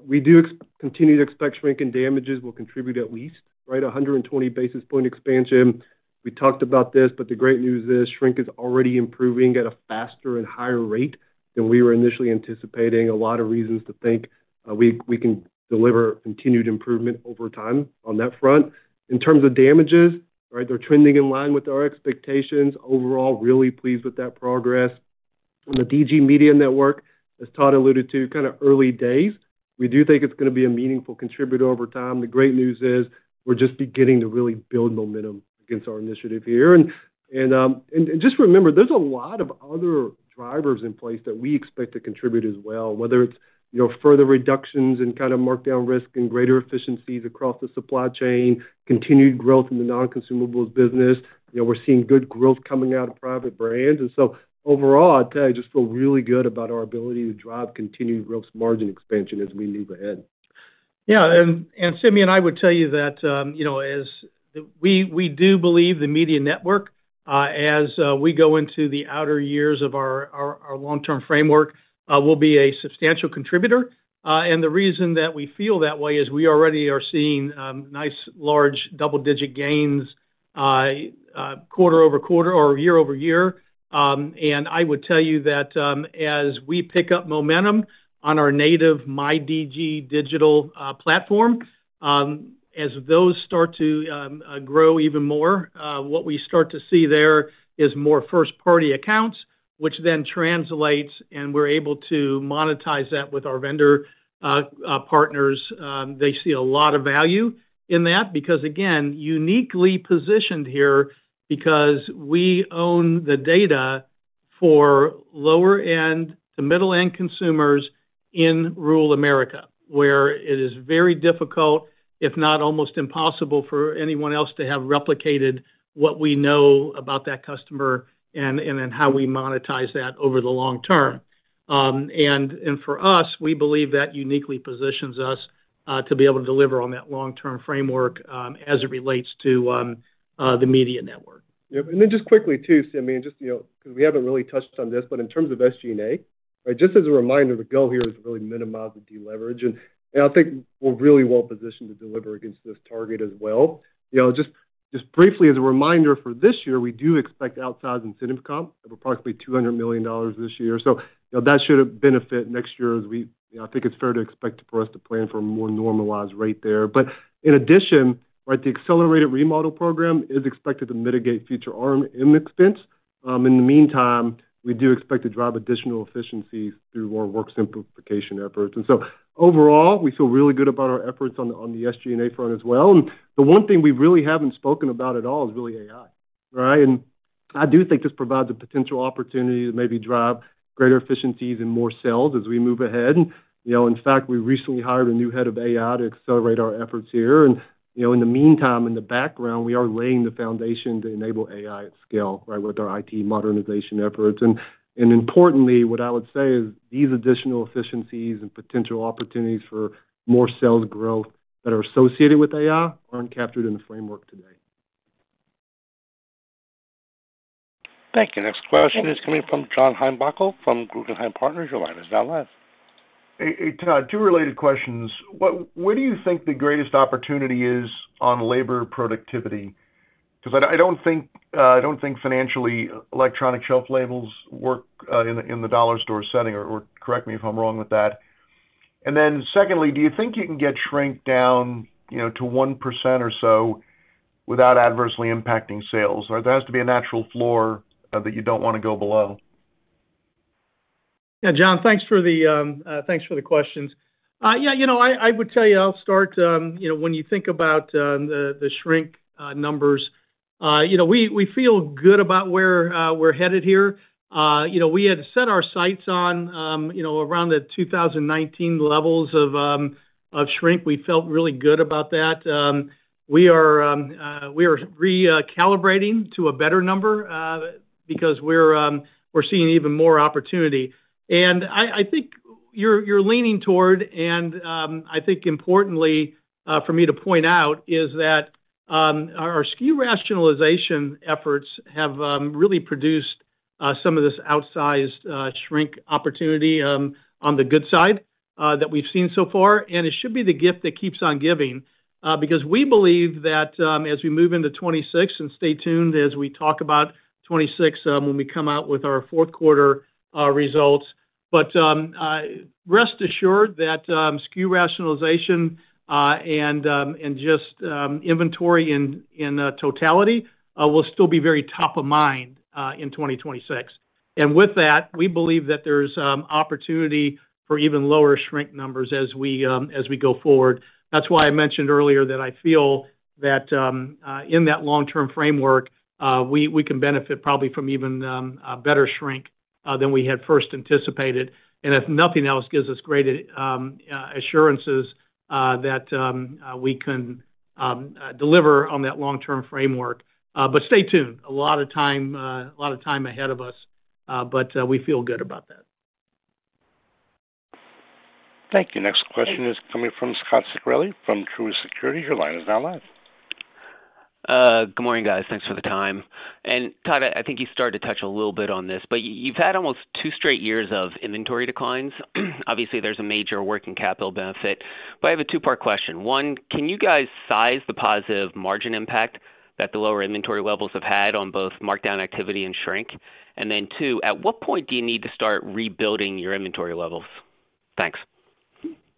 [SPEAKER 4] we do continue to expect shrink and damages will contribute at least, right, 120 basis points expansion. We talked about this, but the great news is shrink is already improving at a faster and higher rate than we were initially anticipating. A lot of reasons to think we can deliver continued improvement over time on that front. In terms of damages, right, they're trending in line with our expectations. Overall, really pleased with that progress. On the DG Media Network, as Todd alluded to, kind of early days. We do think it's going to be a meaningful contributor over time. The great news is we're just beginning to really build momentum against our initiative here. Just remember, there's a lot of other drivers in place that we expect to contribute as well, whether it's further reductions in kind of markdown risk and greater efficiencies across the supply chain, continued growth in the non-consumables business. We're seeing good growth coming out of private brands. Overall, I'd tell you, I just feel really good about our ability to drive continued gross margin expansion as we move ahead.
[SPEAKER 3] Yeah. Simeon, I would tell you that we do believe the media network, as we go into the outer years of our long-term framework, will be a substantial contributor. The reason that we feel that way is we already are seeing nice large double-digit gains quarter-over-quarter or year-over-year. I would tell you that as we pick up momentum on our native myDG Digital platform, as those start to grow even more, what we start to see there is more first-party accounts, which then translates, and we're able to monetize that with our vendor partners. They see a lot of value in that because, again, uniquely positioned here because we own the data for lower-end to middle-end consumers rural America, where it is very difficult, if not almost impossible, for anyone else to have replicated what we know about that customer and then how we monetize that over the long term. And for us, we believe that uniquely positions us to be able to deliver on that long-term framework as it relates to the media network.
[SPEAKER 4] Yep. And then just quickly too, Simeon, just because we haven't really touched on this, but in terms of SG&A, just as a reminder, the goal here is to really minimize the deleverage. And I think we're really well positioned to deliver against this target as well. Just briefly, as a reminder for this year, we do expect outsized incentive comp of approximately $200 million this year. So that should benefit next year as we I think it's fair to expect for us to plan for a more normalized rate there. But in addition, the accelerated remodel program is expected to mitigate future SG&A expense. In the meantime, we do expect to drive additional efficiencies through more work simplification efforts. And so overall, we feel really good about our efforts on the SG&A front as well. And the one thing we really haven't spoken about at all is really AI, right? And I do think this provides a potential opportunity to maybe drive greater efficiencies and more sales as we move ahead. In fact, we recently hired a new head of AI to accelerate our efforts here. And in the meantime, in the background, we are laying the foundation to enable AI at scale, right, with our IT modernization efforts. And importantly, what I would say is these additional efficiencies and potential opportunities for more sales growth that are associated with AI aren't captured in the framework today.
[SPEAKER 1] Thank you. Next question is coming from John Heinbockel from Guggenheim Securities. Your line is now live.
[SPEAKER 12] Hey, Todd, two related questions. Where do you think the greatest opportunity is on labor productivity? Because I don't think financially electronic shelf labels work in the Dollar Store setting. Or correct me if I'm wrong with that. And then secondly, do you think you can get shrink down to 1% or so without adversely impacting sales? There has to be a natural floor that you don't want to go below.
[SPEAKER 3] Yeah. John, thanks for the questions. Yeah. I would tell you, I'll start. When you think about the shrink numbers, we feel good about where we're headed here. We had set our sights on around the 2019 levels of shrink. We felt really good about that. We are recalibrating to a better number because we're seeing even more opportunity. And I think you're leaning toward, and I think importantly for me to point out is that our SKU rationalization efforts have really produced some of this outsized shrink opportunity on the good side that we've seen so far. And it should be the gift that keeps on giving because we believe that as we move into '26 and stay tuned as we talk about '26 when we come out with our fourth quarter results. But rest assured that SKU rationalization and just inventory in totality will still be very top of mind in 2026. And with that, we believe that there's opportunity for even lower shrink numbers as we go forward. That's why I mentioned earlier that I feel that in that long-term framework, we can benefit probably from even better shrink than we had first anticipated. And if nothing else gives us great assurances that we can deliver on that long-term framework. But stay tuned. A lot of time, a lot of time ahead of us. But we feel good about that.
[SPEAKER 1] Thank you. Next question is coming from Scot Ciccarelli from Truist Securities. Your line is now live.
[SPEAKER 13] Good morning, guys. Thanks for the time. And Todd, I think you started to touch a little bit on this, but you've had almost two straight years of inventory declines. Obviously, there's a major working capital benefit. But I have a two-part question. One, can you guys size the positive margin impact that the lower inventory levels have had on both markdown activity and shrink? And then two, at what point do you need to start rebuilding your inventory levels? Thanks.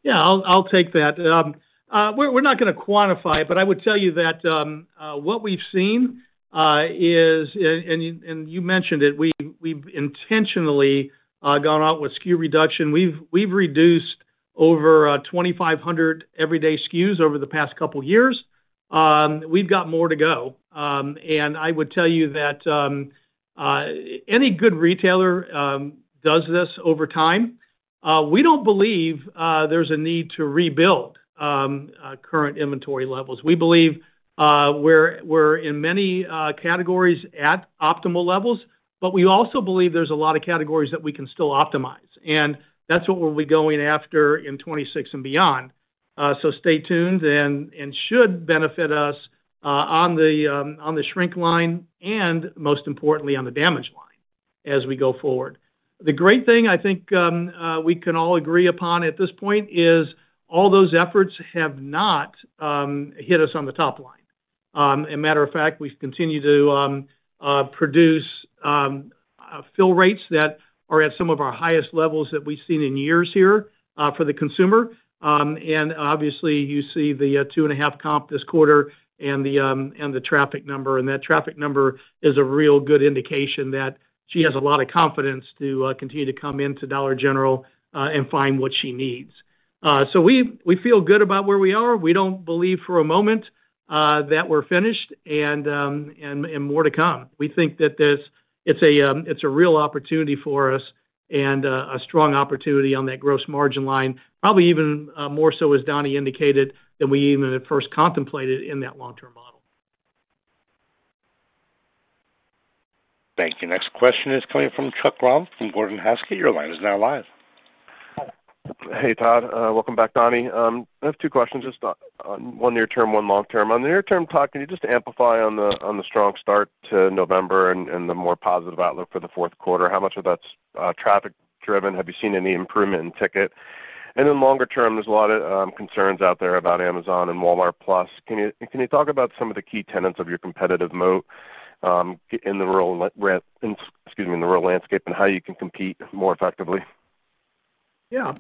[SPEAKER 3] Yeah. I'll take that. We're not going to quantify it, but I would tell you that what we've seen is, and you mentioned it, we've intentionally gone out with SKU reduction. We've reduced over 2,500 everyday SKUs over the past couple of years. We've got more to go. And I would tell you that any good retailer does this over time. We don't believe there's a need to rebuild current inventory levels. We believe we're in many categories at optimal levels, but we also believe there's a lot of categories that we can still optimize. And that's what we'll be going after in 2026 and beyond. So stay tuned and should benefit us on the shrink line and, most importantly, on the damage line as we go forward. The great thing I think we can all agree upon at this point is all those efforts have not hit us on the top line. As a matter of fact, we continue to produce fill rates that are at some of our highest levels that we've seen in years here for the consumer. And obviously, you see the two and a half comp this quarter and the traffic number. And that traffic number is a real good indication that she has a lot of confidence to continue to come into Dollar General and find what she needs. So we feel good about where we are. We don't believe for a moment that we're finished and more to come. We think that it's a real opportunity for us and a strong opportunity on that gross margin line, probably even more so as Donny indicated than we even at first contemplated in that long-term model.
[SPEAKER 1] Thank you. Next question is coming from Chuck Grom from Gordon Haskett. Your line is now live.
[SPEAKER 14] Hey, Todd. Welcome back, Donny. I have two questions. One near term, one long term. On the near term, Todd, can you just amplify on the strong start to November and the more positive outlook for the fourth quarter? How much of that's traffic-driven? Have you seen any improvement in ticket? And then longer term, there's a lot of concerns out there about Amazon and Walmart+. Can you talk about some of the key tenets of your competitive moat in the rural landscape and how you can compete more effectively?
[SPEAKER 3] Yeah.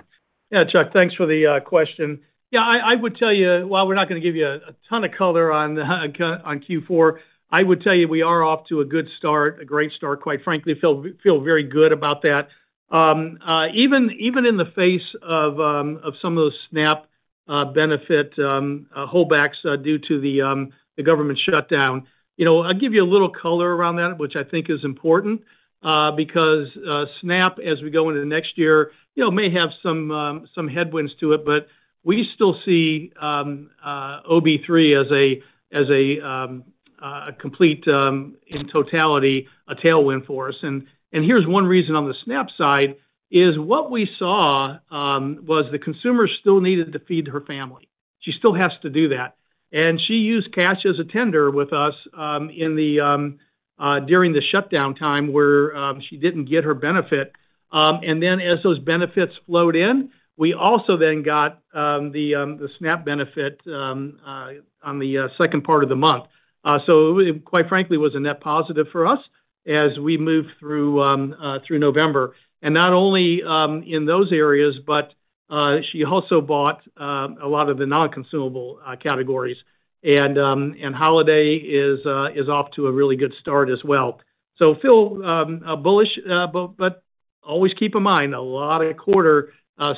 [SPEAKER 3] Yeah, Chuck, thanks for the question. Yeah, I would tell you, while we're not going to give you a ton of color on Q4, I would tell you we are off to a good start, a great start, quite frankly. Feel very good about that. Even in the face of some of the SNAP benefit holdbacks due to the government shutdown, I'll give you a little color around that, which I think is important because SNAP, as we go into next year, may have some headwinds to it, but we still see EBT as a complete in totality a tailwind for us. And here's one reason on the SNAP side. What we saw was the consumer still needed to feed her family. She still has to do that. And she used cash as a tender with us during the shutdown time where she didn't get her benefit. And then as those benefits flowed in, we also then got the SNAP benefit on the second part of the month. So it quite frankly was a net positive for us as we moved through November. And not only in those areas, but she also bought a lot of the non-consumable categories. And holiday is off to a really good start as well. So feel bullish, but always keep in mind a lot of quarter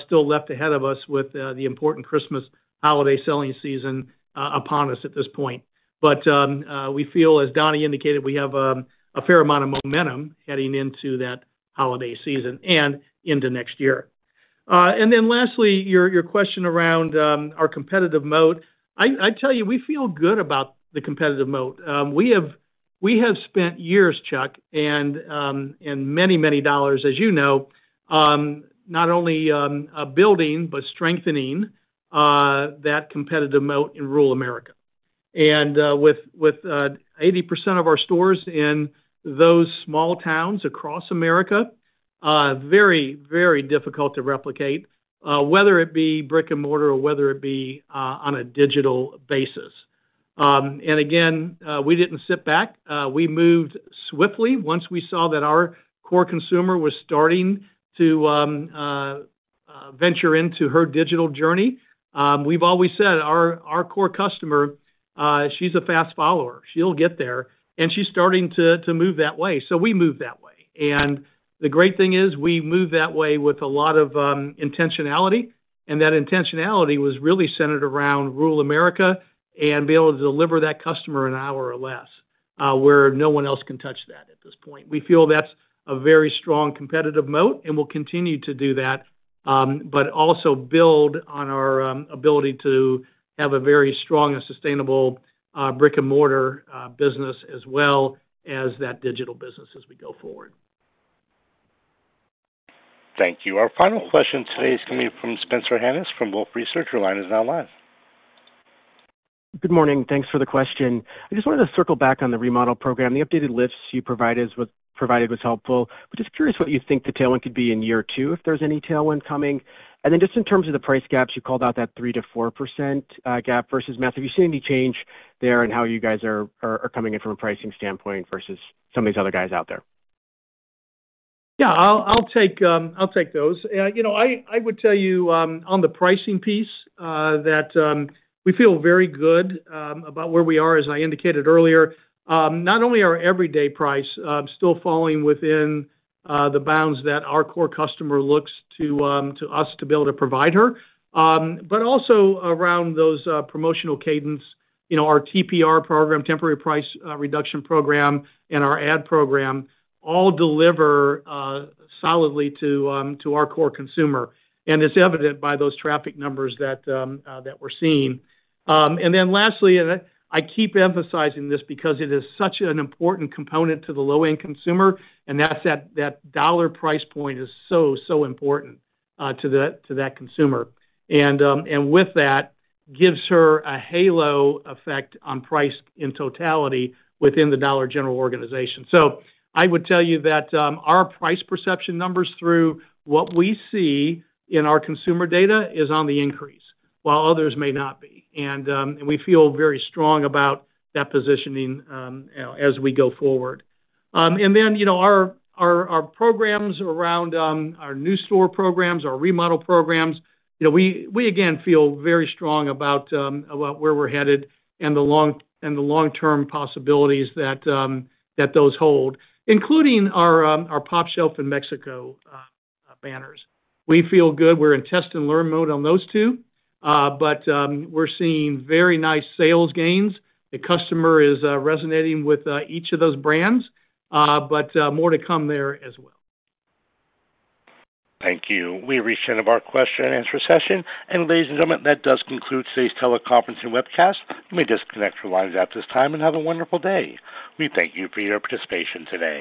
[SPEAKER 3] still left ahead of us with the important Christmas holiday selling season upon us at this point. But we feel, as Donny indicated, we have a fair amount of momentum heading into that holiday season and into next year. And then lastly, your question around our competitive moat, I tell you, we feel good about the competitive moat. We have spent years, Chuck, and many, many dollars, as you know, not only building, but strengthening that competitive moat rural America. and with 80% of our stores in those small towns across America, very, very difficult to replicate, whether it be brick-and-mortar or whether it be on a digital basis. And again, we didn't sit back. We moved swiftly once we saw that our core consumer was starting to venture into her digital journey. We've always said our core customer, she's a fast follower. She'll get there. And she's starting to move that way. So we move that way. And the great thing is we move that way with a lot of intentionality. And that intentionality was really centered rural America and being able to deliver that customer an hour or less where no one else can touch that at this point. We feel that's a very strong competitive moat and will continue to do that, but also build on our ability to have a very strong and sustainable brick-and-mortar business as well as that digital business as we go forward.
[SPEAKER 1] Thank you. Our final question today is coming from Spencer Hanus from Wolfe Research. Your line is now live.
[SPEAKER 15] Good morning. Thanks for the question. I just wanted to circle back on the remodel program. The updated list you provided was helpful. I'm just curious what you think the tailwind could be in year two if there's any tailwind coming. And then just in terms of the price gaps, you called out that 3%-4% gap versus Walmart. Have you seen any change there in how you guys are coming in from a pricing standpoint versus some of these other guys out there?
[SPEAKER 3] Yeah, I'll take those. I would tell you on the pricing piece that we feel very good about where we are, as I indicated earlier. Not only are everyday price still falling within the bounds that our core customer looks to us to be able to provide her, but also around those promotional cadence, our TPR program, temporary price reduction program, and our ad program all deliver solidly to our core consumer. And it's evident by those traffic numbers that we're seeing. And then, lastly, and I keep emphasizing this because it is such an important component to the low-end consumer, and that's that dollar price point is so, so important to that consumer. And with that, gives her a halo effect on price in totality within the Dollar General organization. So I would tell you that our price perception numbers through what we see in our consumer data is on the increase, while others may not be. And we feel very strong about that positioning as we go forward. And then our programs around our new store programs, our remodel programs, we again feel very strong about where we're headed and the long-term possibilities that those hold, including our pOpshelf and Mexico banners. We feel good. We're in test and learn mode on those two, but we're seeing very nice sales gains. The customer is resonating with each of those brands, but more to come there as well.
[SPEAKER 1] Thank you. We reached the end of our question-and-answer session. And ladies and gentlemen, that does conclude today's teleconference and webcast. You may disconnect your lines at this time and have a wonderful day. We thank you for your participation today.